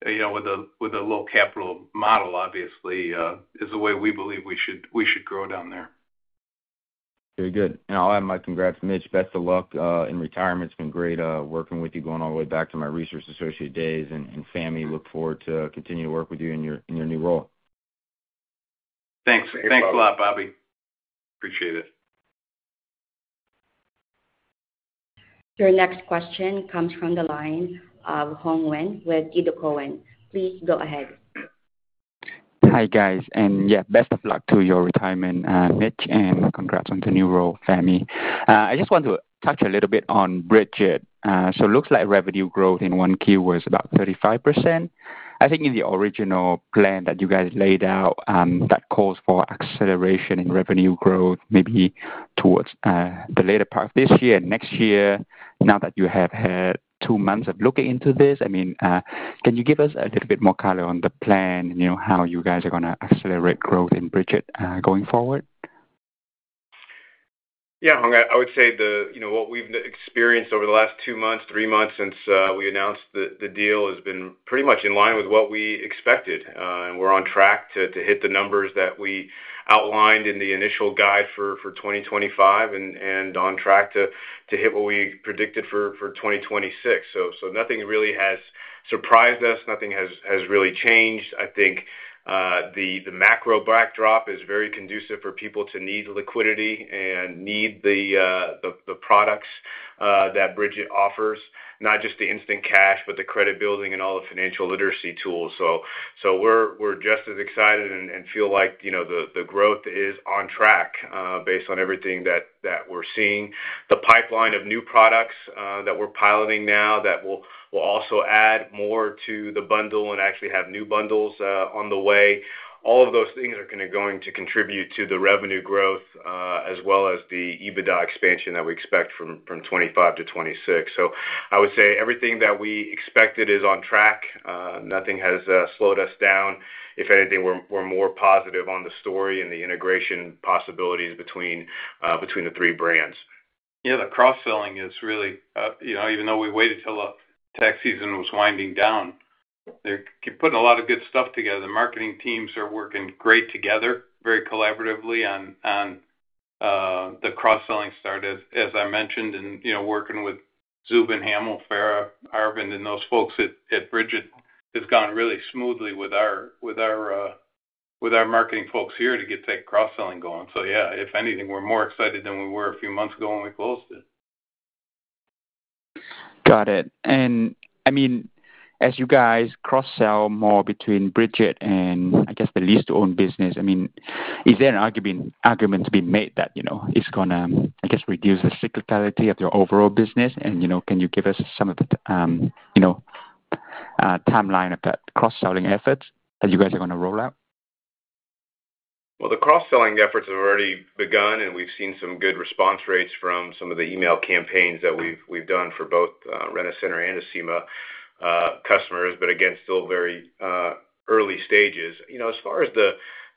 with a low capital model, obviously, is the way we believe we should grow down there. Very good. I will add my congrats to Mitch. Best of luck in retirement. It's been great working with you, going all the way back to my research associate days. And Fahmi, look forward to continuing to work with you in your new role. Thanks. Thanks a lot, Bobby. Appreciate it. Your next question comes from the line of Hoang Nguyen with TD Cowen. Please go ahead. Hi, guys. Yeah, best of luck to your retirement, Mitch, and congrats on the new role, Fahmi. I just want to touch a little bit on Brigit. It looks like revenue growth in one key was about 35%. I think in the original plan that you guys laid out, that calls for acceleration in revenue growth maybe towards the later part of this year and next year. Now that you have had two months of looking into this, I mean, can you give us a little bit more color on the plan, how you guys are going to accelerate growth in Brigit going forward? Yeah, I would say what we've experienced over the last two months, three months since we announced the deal has been pretty much in line with what we expected. And we're on track to hit the numbers that we outlined in the initial guide for 2025 and on track to hit what we predicted for 2026. Nothing really has surprised us. Nothing has really changed. I think the macro backdrop is very conducive for people to need liquidity and need the products that Brigit offers, not just the instant cash, but the credit building and all the financial literacy tools. We are just as excited and feel like the growth is on track based on everything that we are seeing. The pipeline of new products that we are piloting now that will also add more to the bundle and actually have new bundles on the way. All of those things are going to contribute to the revenue growth as well as the EBITDA expansion that we expect from 2025 to 2026. I would say everything that we expected is on track. Nothing has slowed us down. If anything, we are more positive on the story and the integration possibilities between the three brands. Yeah, the cross-selling is really, even though we waited till tax season was winding down, they're putting a lot of good stuff together. The marketing teams are working great together, very collaboratively on the cross-selling start, as I mentioned, and working with Zubin, Hamel, Farah, Arvind, and those folks at Brigit. It's gone really smoothly with our marketing folks here to get that cross-selling going. Yeah, if anything, we're more excited than we were a few months ago when we closed it. Got it. I mean, as you guys cross-sell more between Brigit and, I guess, the lease-to-own business, I mean, is there an argument being made that it's going to, I guess, reduce the cyclicality of your overall business? Can you give us some of the timeline of that cross-selling efforts that you guys are going to roll out? The cross-selling efforts have already begun, and we've seen some good response rates from some of the email campaigns that we've done for both Rent-A-Center and Acima customers, but again, still very early stages. As far as the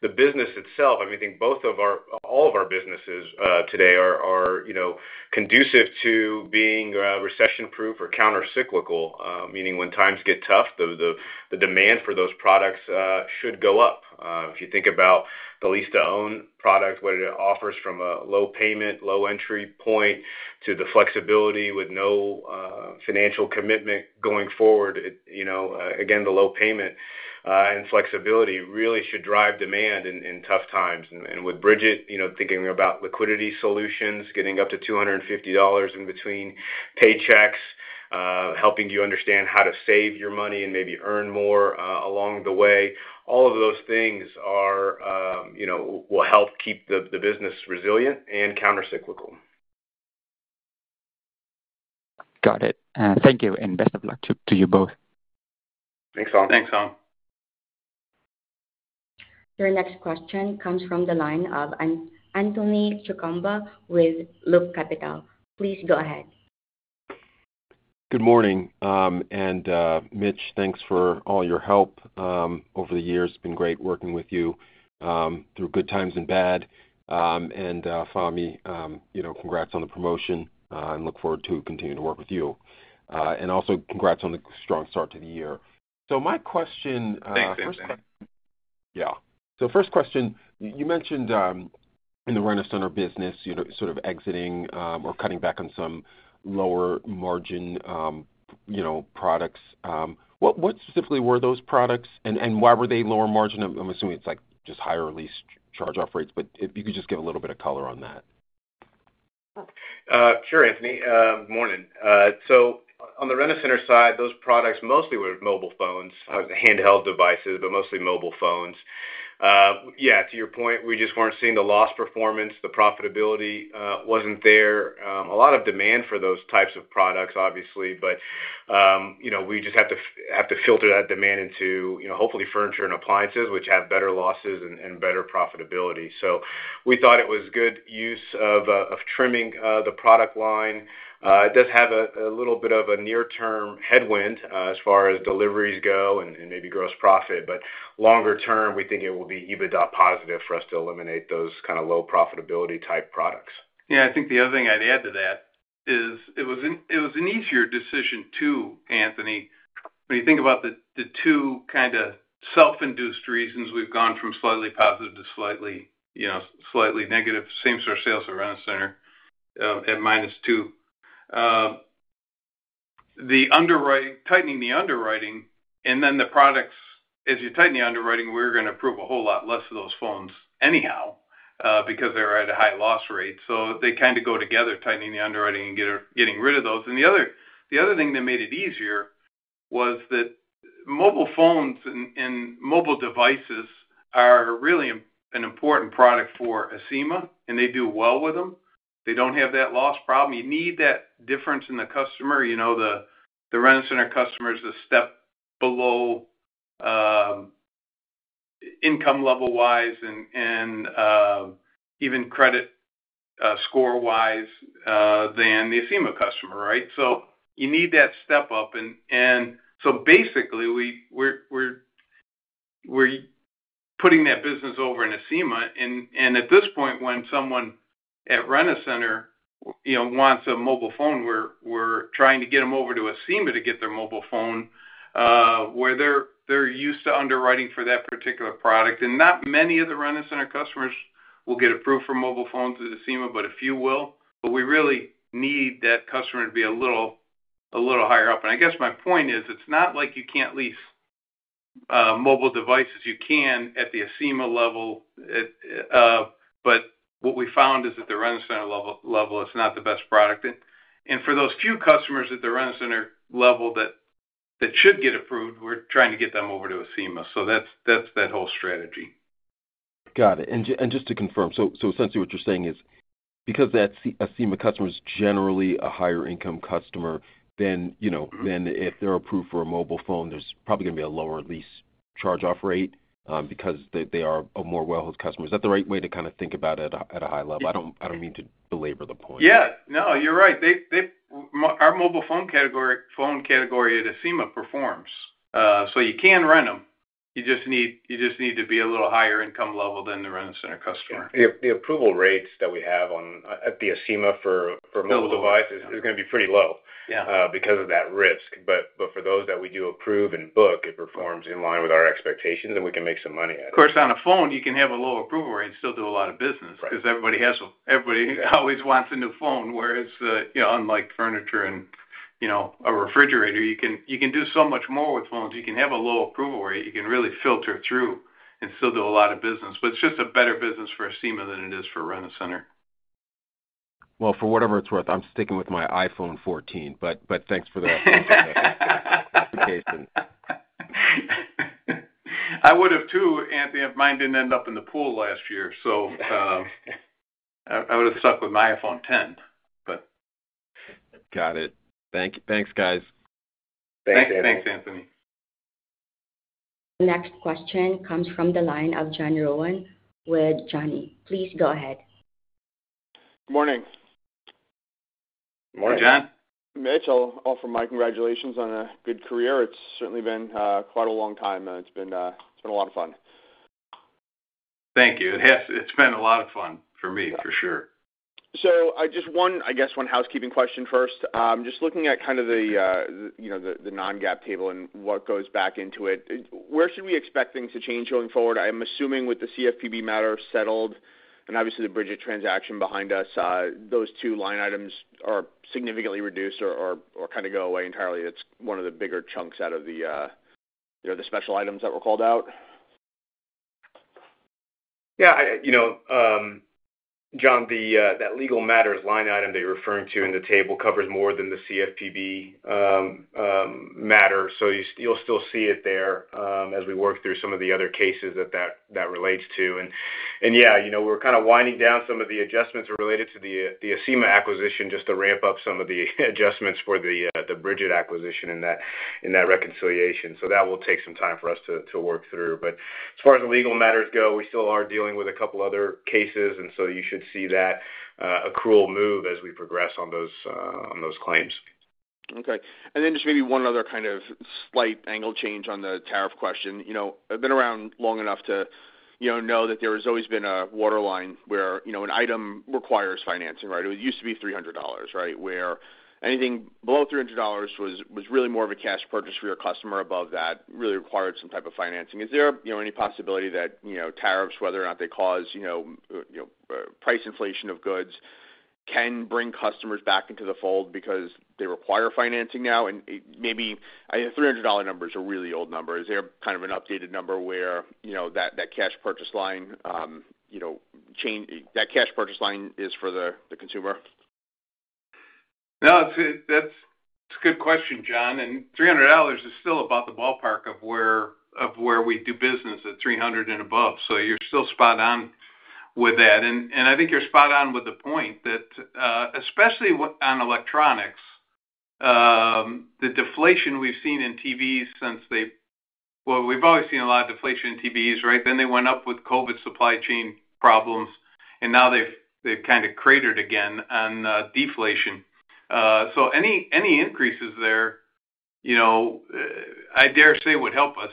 business itself, I mean, I think all of our businesses today are conducive to being recession-proof or countercyclical, meaning when times get tough, the demand for those products should go up. If you think about the lease-to-own product, what it offers from a low payment, low entry point to the flexibility with no financial commitment going forward, again, the low payment and flexibility really should drive demand in tough times. With Brigit, thinking about liquidity solutions, getting up to $250 in between paychecks, helping you understand how to save your money and maybe earn more along the way. All of those things will help keep the business resilient and countercyclical. Got it. Thank you. Best of luck to you both. Thanks, Hoang. Thanks, Hoang. Your next question comes from the line of Anthony Chukumba with Loop Capital. Please go ahead. Good morning. Mitch, thanks for all your help over the years. It's been great working with you through good times and bad. Fahmi, congrats on the promotion, and look forward to continuing to work with you. Also, congrats on the strong start to the year. My question. Thank you. Yeah. First question, you mentioned in the Rent-A-Center business sort of exiting or cutting back on some lower margin products. What specifically were those products, and why were they lower margin? I'm assuming it's just higher lease charge-off rates, but if you could just give a little bit of color on that. Sure, Anthony. Good morning. On the Rent-A-Center side, those products mostly were mobile phones, handheld devices, but mostly mobile phones. Yeah, to your point, we just weren't seeing the loss performance. The profitability wasn't there. A lot of demand for those types of products, obviously, but we just have to filter that demand into hopefully furniture and appliances, which have better losses and better profitability. We thought it was good use of trimming the product line. It does have a little bit of a near-term headwind as far as deliveries go and maybe gross profit. Longer term, we think it will be EBITDA positive for us to eliminate those kind of low profitability type products. Yeah, I think the other thing I'd add to that is it was an easier decision too, Anthony. When you think about the two kind of self-induced reasons, we've gone from slightly positive to slightly negative, same-store sales for Rent-A-Center at -2%. Tightening the underwriting and then the products, as you tighten the underwriting, we're going to approve a whole lot less of those phones anyhow because they're at a high loss rate. They kind of go together, tightening the underwriting and getting rid of those. The other thing that made it easier was that mobile phones and mobile devices are really an important product for Acima, and they do well with them. They don't have that loss problem. You need that difference in the customer. The Rent-A-Center customers are a step below income level-wise and even credit score-wise than the Acima customer, right? You need that step up. Basically, we're putting that business over in Acima. At this point, when someone at Rent-A-Center wants a mobile phone, we're trying to get them over to Acima to get their mobile phone where they're used to underwriting for that particular product. Not many of the Rent-A-Center customers will get approved for mobile phones at Acima, but a few will. We really need that customer to be a little higher up. I guess my point is it's not like you can't lease mobile devices. You can at the Acima level. What we found is at the Rent-A-Center level, it's not the best product. For those few customers at the Rent-A-Center level that should get approved, we're trying to get them over to Acima. That's that whole strategy. Got it. Just to confirm, so essentially what you're saying is because Acima customers are generally a higher-income customer, then if they're approved for a mobile phone, there's probably going to be a lower lease charge-off rate because they are a more well-held customer. Is that the right way to kind of think about it at a high level? I don't mean to belabor the point. Yeah. No, you're right. Our mobile phone category at Acima performs. You can rent them. You just need to be a little higher income level than the Rent-A-Center customer. The approval rates that we have at Acima for mobile devices is going to be pretty low because of that risk. For those that we do approve and book, it performs in line with our expectations, and we can make some money at it. Of course, on a phone, you can have a low approval rate and still do a lot of business because everybody always wants a new phone, whereas unlike furniture and a refrigerator, you can do so much more with phones. You can have a low approval rate. You can really filter through and still do a lot of business. It is just a better business for Acima than it is for Rent-A-Center. For whatever it is worth, I am sticking with my iPhone 14. Thanks for the education. I would have, too, Anthony, if mine did not end up in the pool last year. I would have stuck with my iPhone 10, but. Got it. Thanks, guys. Thanks, Anthony. The next question comes from the line of Johnny Rowan with Johnny. Please go ahead. Good morning. Good morning, John. Mitch, I will offer my congratulations on a good career. It's certainly been quite a long time, and it's been a lot of fun. Thank you. It's been a lot of fun for me, for sure. I guess one housekeeping question first. Just looking at kind of the non-GAAP table and what goes back into it, where should we expect things to change going forward? I'm assuming with the CFPB matter settled and obviously the Brigit transaction behind us, those two line items are significantly reduced or kind of go away entirely. It's one of the bigger chunks out of the special items that were called out. Yeah. John, that legal matters line item that you're referring to in the table covers more than the CFPB matter. You'll still see it there as we work through some of the other cases that that relates to. Yeah, we're kind of winding down some of the adjustments related to the Acima acquisition just to ramp up some of the adjustments for the Brigit acquisition in that reconciliation. That will take some time for us to work through. As far as the legal matters go, we still are dealing with a couple of other cases. You should see that accrual move as we progress on those claims. Okay. Maybe one other kind of slight angle change on the tariff question. I've been around long enough to know that there has always been a waterline where an item requires financing, right? It used to be $300, right? Where anything below $300 was really more of a cash purchase for your customer. Above that, it really required some type of financing. Is there any possibility that tariffs, whether or not they cause price inflation of goods, can bring customers back into the fold because they require financing now? Maybe the $300 numbers are really old numbers. Is there kind of an updated number where that cash purchase line is for the consumer? No, that's a good question, John. $300 is still about the ballpark of where we do business at $300 and above. You're still spot on with that. I think you're spot on with the point that especially on electronics, the deflation we've seen in TVs since they, well, we've always seen a lot of deflation in TVs, right? They went up with COVID supply chain problems, and now they've kind of cratered again on deflation. Any increases there, I dare say, would help us.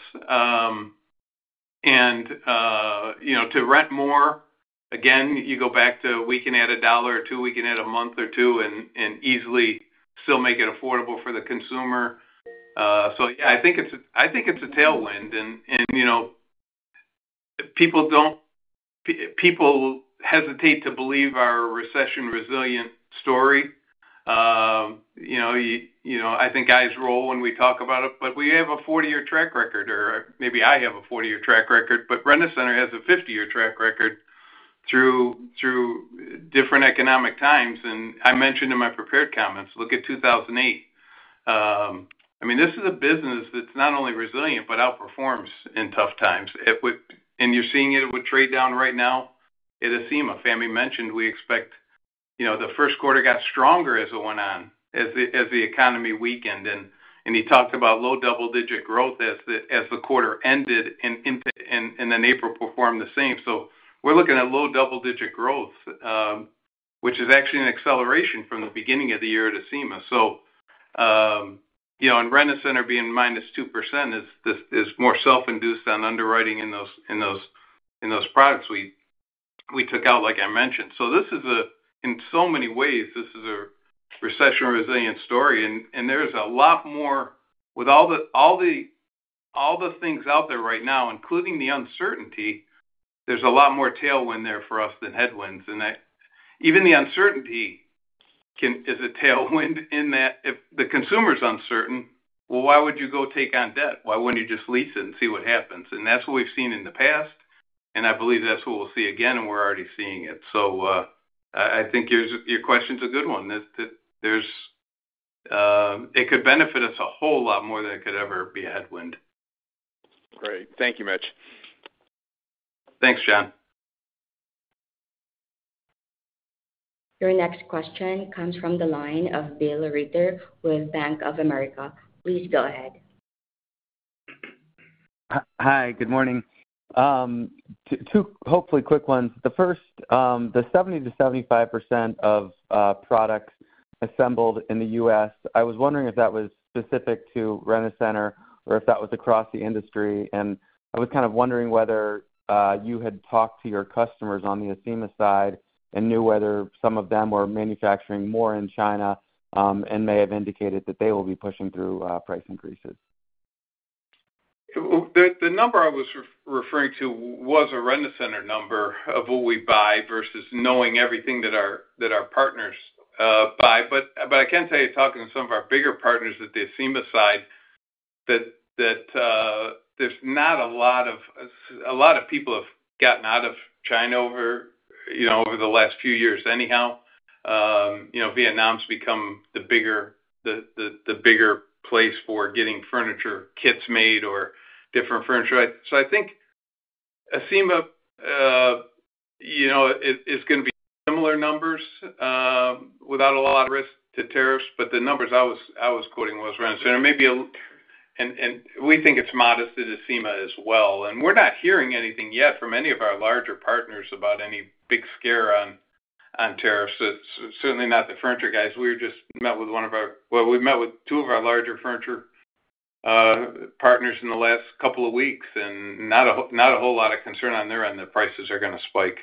To rent more, again, you go back to we can add a dollar or two. We can add a month or two and easily still make it affordable for the consumer. Yeah, I think it's a tailwind. People hesitate to believe our recession-resilient story. I think eyes roll when we talk about it. We have a 40-year track record, or maybe I have a 40-year track record, but Rent-A-Center has a 50-year track record through different economic times. I mentioned in my prepared comments, look at 2008. I mean, this is a business that's not only resilient but outperforms in tough times. You're seeing it with trade down right now at Acima. Fahmi mentioned we expect the first quarter got stronger as it went on, as the economy weakened. He talked about low double-digit growth as the quarter ended, and April performed the same. We are looking at low double-digit growth, which is actually an acceleration from the beginning of the year at Acima. In Rent-A-Center, being -2% is more self-induced on underwriting in those products we took out, like I mentioned. In so many ways, this is a recession-resilient story. There is a lot more with all the things out there right now, including the uncertainty, there is a lot more tailwind there for us than headwinds. Even the uncertainty is a tailwind in that if the consumer is uncertain, why would you go take on debt? Why would you not just lease it and see what happens? That is what we have seen in the past. I believe that is what we will see again, and we are already seeing it. I think your question's a good one. It could benefit us a whole lot more than it could ever be a headwind. Great. Thank you, Mitch. Thanks, John. Your next question comes from the line of Bill Reiter with Bank of America. Please go ahead. Hi. Good morning. Two hopefully quick ones. The first, the 70% to 75% of products assembled in the U.S., I was wondering if that was specific to Rent-A-Center or if that was across the industry. I was kind of wondering whether you had talked to your customers on the Acima side and knew whether some of them were manufacturing more in China and may have indicated that they will be pushing through price increases. The number I was referring to was a Rent-A-Center number of what we buy versus knowing everything that our partners buy. I can tell you talking to some of our bigger partners at the Acima side, that there's not a lot of—a lot of people have gotten out of China over the last few years anyhow. Vietnam's become the bigger place for getting furniture kits made or different furniture. I think Acima is going to be similar numbers without a lot of risk to tariffs. The numbers I was quoting was Rent-A-Center. We think it's modest at Acima as well. We're not hearing anything yet from any of our larger partners about any big scare on tariffs. It's certainly not the furniture guys. We just met with two of our larger furniture partners in the last couple of weeks, and not a whole lot of concern on their end that prices are going to spike.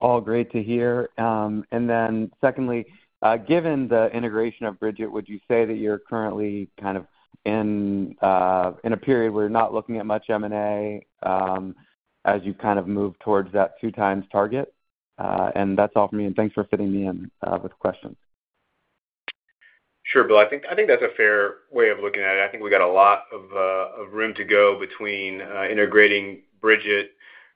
All great to hear. Then secondly, given the integration of Brigit, would you say that you're currently kind of in a period where you're not looking at much M&A as you kind of move towards that two-times target? That's all from me. Thanks for fitting me in with questions. Sure, Bill. I think that's a fair way of looking at it. I think we got a lot of room to go between integrating Brigit,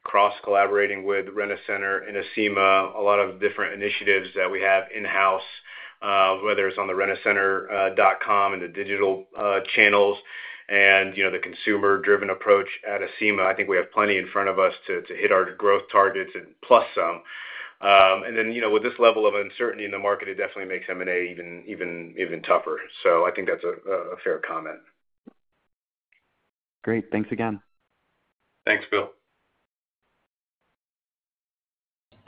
cross-collaborating with Rent-A-Center and Acima, a lot of different initiatives that we have in-house, whether it's on rentacenter.com and the digital channels and the consumer-driven approach at Acima. I think we have plenty in front of us to hit our growth targets and plus some. With this level of uncertainty in the market, it definitely makes M&A even tougher. I think that's a fair comment. Great. Thanks again. Thanks, Bill.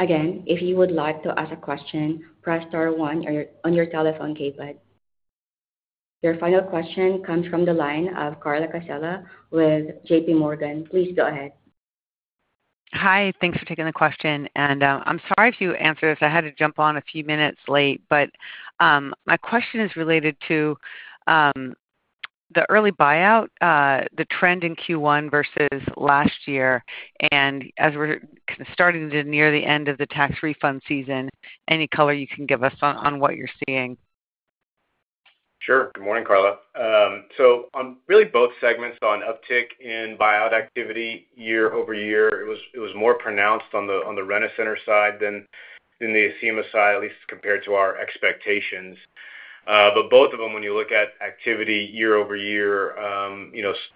Again, if you would like to ask a question, press star one on your telephone keypad. Your final question comes from the line of Carla Casella with JPMorgan. Please go ahead. Hi. Thanks for taking the question. I'm sorry if you answered this. I had to jump on a few minutes late. My question is related to the early buyout, the trend in Q1 versus last year. As we're starting to near the end of the tax refund season, any color you can give us on what you're seeing. Sure. Good morning, Carla. On really both segments, an uptick in buyout activity year over year. It was more pronounced on the Rent-A-Center side than the Acima side, at least compared to our expectations. Both of them, when you look at activity year over year,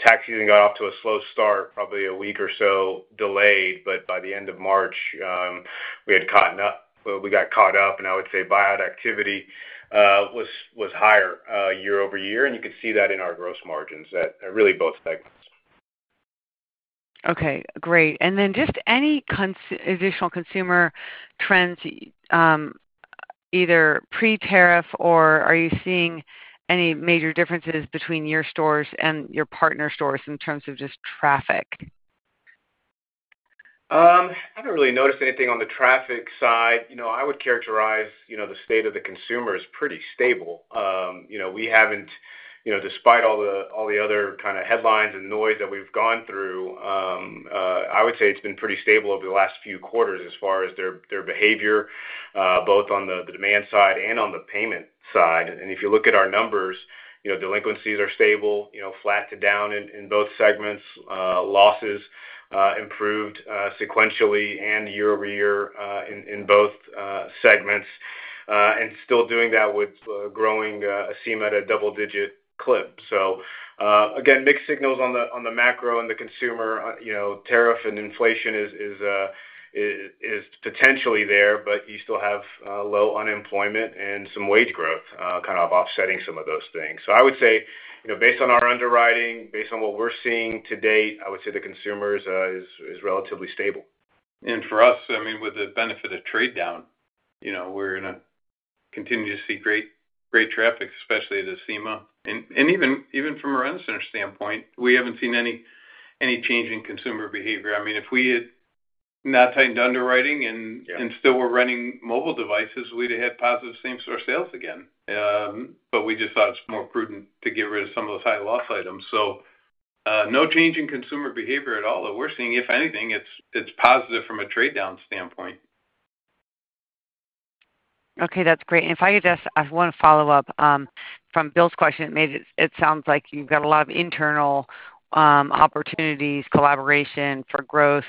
tax season got off to a slow start, probably a week or so delayed. By the end of March, we had caught up. We got caught up. I would say buyout activity was higher year over year. You could see that in our gross margins at really both segments. Okay. Great. Any additional consumer trends, either pre-tariff, or are you seeing any major differences between your stores and your partner stores in terms of just traffic? I haven't really noticed anything on the traffic side. I would characterize the state of the consumer as pretty stable. We haven't, despite all the other kind of headlines and noise that we've gone through, I would say it's been pretty stable over the last few quarters as far as their behavior, both on the demand side and on the payment side. If you look at our numbers, delinquencies are stable, flat to down in both segments. Losses improved sequentially and year over year in both segments and still doing that with growing Acima at a double-digit clip. Again, mixed signals on the macro and the consumer. Tariff and inflation is potentially there, but you still have low unemployment and some wage growth kind of offsetting some of those things. I would say, based on our underwriting, based on what we're seeing to date, I would say the consumer is relatively stable. For us, I mean, with the benefit of trade down, we're going to continue to see great traffic, especially at Acima. Even from a Rent-A-Center standpoint, we haven't seen any change in consumer behavior. I mean, if we had not tightened underwriting and still were running mobile devices, we'd have had positive same-store sales again. We just thought it's more prudent to get rid of some of those high-loss items. No change in consumer behavior at all. We're seeing, if anything, it's positive from a trade-down standpoint. Okay. That's great. If I could just ask one follow-up from Bill's question, it sounds like you've got a lot of internal opportunities, collaboration for growth.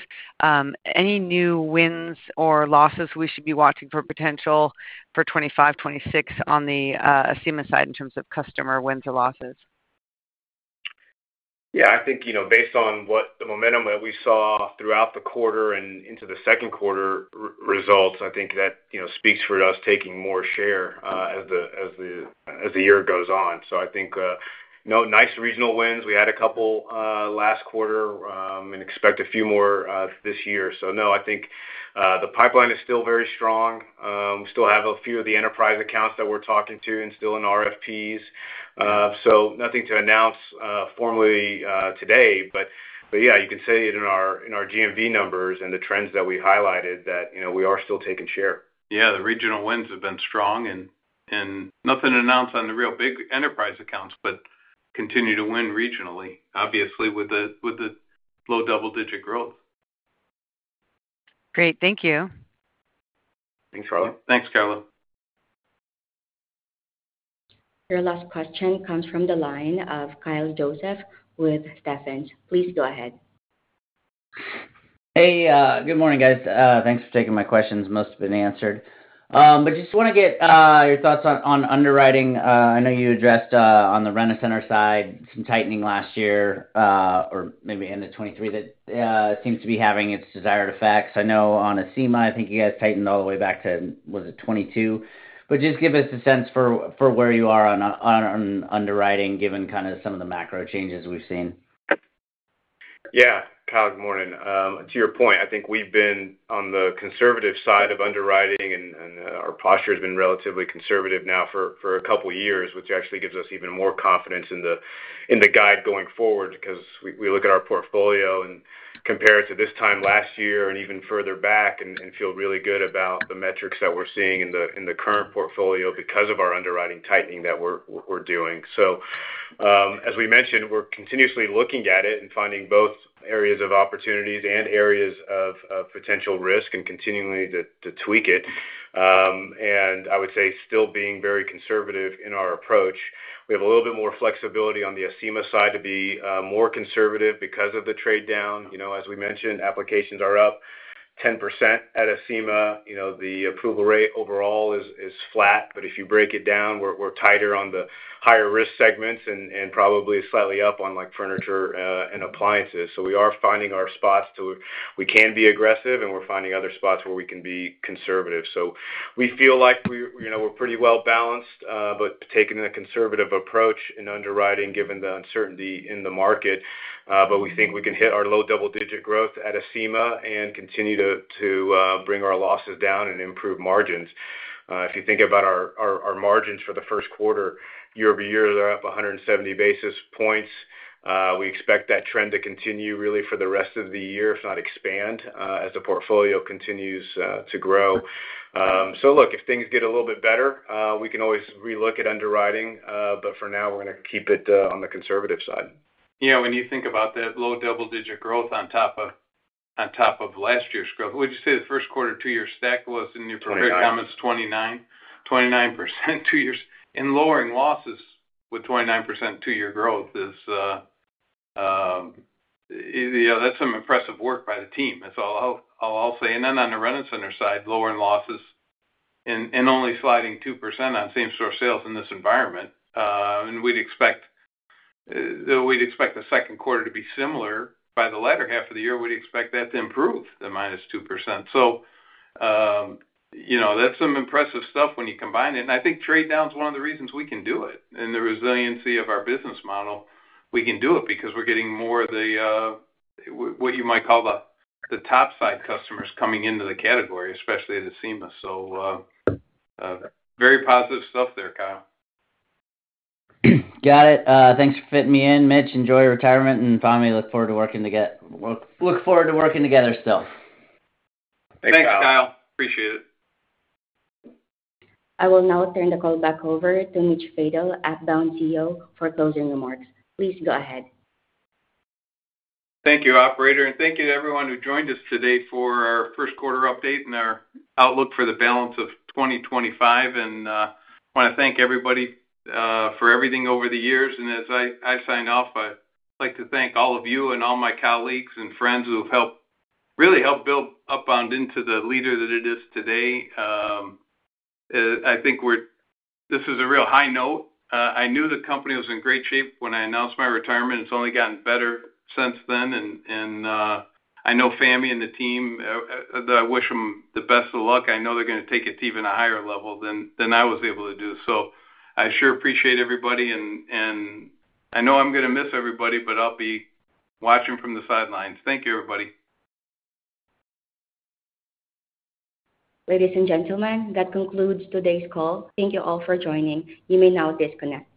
Any new wins or losses we should be watching for potential for 2025, 2026 on the Acima side in terms of customer wins or losses? Yeah. I think based on the momentum that we saw throughout the quarter and into the second quarter results, I think that speaks for us taking more share as the year goes on. I think nice regional wins. We had a couple last quarter and expect a few more this year. I think the pipeline is still very strong. We still have a few of the enterprise accounts that we're talking to, still in RFPs. Nothing to announce formally today. You can see it in our GMV numbers and the trends that we highlighted that we are still taking share. The regional wins have been strong. Nothing to announce on the real big enterprise accounts, but continue to win regionally, obviously, with the low double-digit growth. Great. Thank you. Thanks, Carla. Thanks, Carla. Your last question comes from the line of Kyle Joseph with Stephens. Please go ahead. Hey. Good morning, guys. Thanks for taking my questions. Most have been answered. Just want to get your thoughts on underwriting. I know you addressed on the Rent-A-Center side some tightening last year or maybe end of 2023 that seems to be having its desired effects. I know on Acima, I think you guys tightened all the way back to, was it 2022? Just give us a sense for where you are on underwriting given kind of some of the macro changes we have seen. Yeah. Kyle, good morning. To your point, I think we've been on the conservative side of underwriting, and our posture has been relatively conservative now for a couple of years, which actually gives us even more confidence in the guide going forward because we look at our portfolio and compare it to this time last year and even further back and feel really good about the metrics that we're seeing in the current portfolio because of our underwriting tightening that we're doing. As we mentioned, we're continuously looking at it and finding both areas of opportunities and areas of potential risk and continuing to tweak it. I would say still being very conservative in our approach. We have a little bit more flexibility on the Acima side to be more conservative because of the trade down. As we mentioned, applications are up 10% at Acima. The approval rate overall is flat. If you break it down, we're tighter on the higher-risk segments and probably slightly up on furniture and appliances. We are finding our spots to where we can be aggressive, and we're finding other spots where we can be conservative. We feel like we're pretty well-balanced but taking a conservative approach in underwriting given the uncertainty in the market. We think we can hit our low double-digit growth at Acima and continue to bring our losses down and improve margins. If you think about our margins for the first quarter, year over year, they're up 170 bps. We expect that trend to continue really for the rest of the year, if not expand, as the portfolio continues to grow. If things get a little bit better, we can always relook at underwriting. For now, we're going to keep it on the conservative side. Yeah. When you think about that low double-digit growth on top of last year's growth, would you say the first quarter two-year stack was, in your compared comments, 29% two years? Lowering losses with 29% two-year growth, that's some impressive work by the team, is all I'll say. On the Rent-A-Center side, lowering losses and only sliding 2% on same-store sales in this environment. We'd expect the second quarter to be similar. By the latter half of the year, we'd expect that to improve the -2%. That's some impressive stuff when you combine it. I think trade down is one of the reasons we can do it. The resiliency of our business model, we can do it because we're getting more of what you might call the top-side customers coming into the category, especially at Acima. Very positive stuff there, Kyle. Got it. Thanks for fitting me in, Mitch. Enjoy your retirement. Finally, look forward to working together. Look forward to working together still. Thanks, Kyle. Appreciate it. I will now turn the call back over to Mitch Fadel at Upbound Group for closing remarks. Please go ahead. Thank you, Operator. Thank you to everyone who joined us today for our first quarter update and our outlook for the balance of 2025. I want to thank everybody for everything over the years. As I sign off, I'd like to thank all of you and all my colleagues and friends who have really helped build Upbound into the leader that it is today. I think this is a real high note. I knew the company was in great shape when I announced my retirement. It's only gotten better since then. I know Fahmi and the team, I wish them the best of luck. I know they're going to take it to even a higher level than I was able to do. I sure appreciate everybody. I know I'm going to miss everybody, but I'll be watching from the sidelines. Thank you, everybody. Ladies and gentlemen, that concludes today's call. Thank you all for joining. You may now disconnect.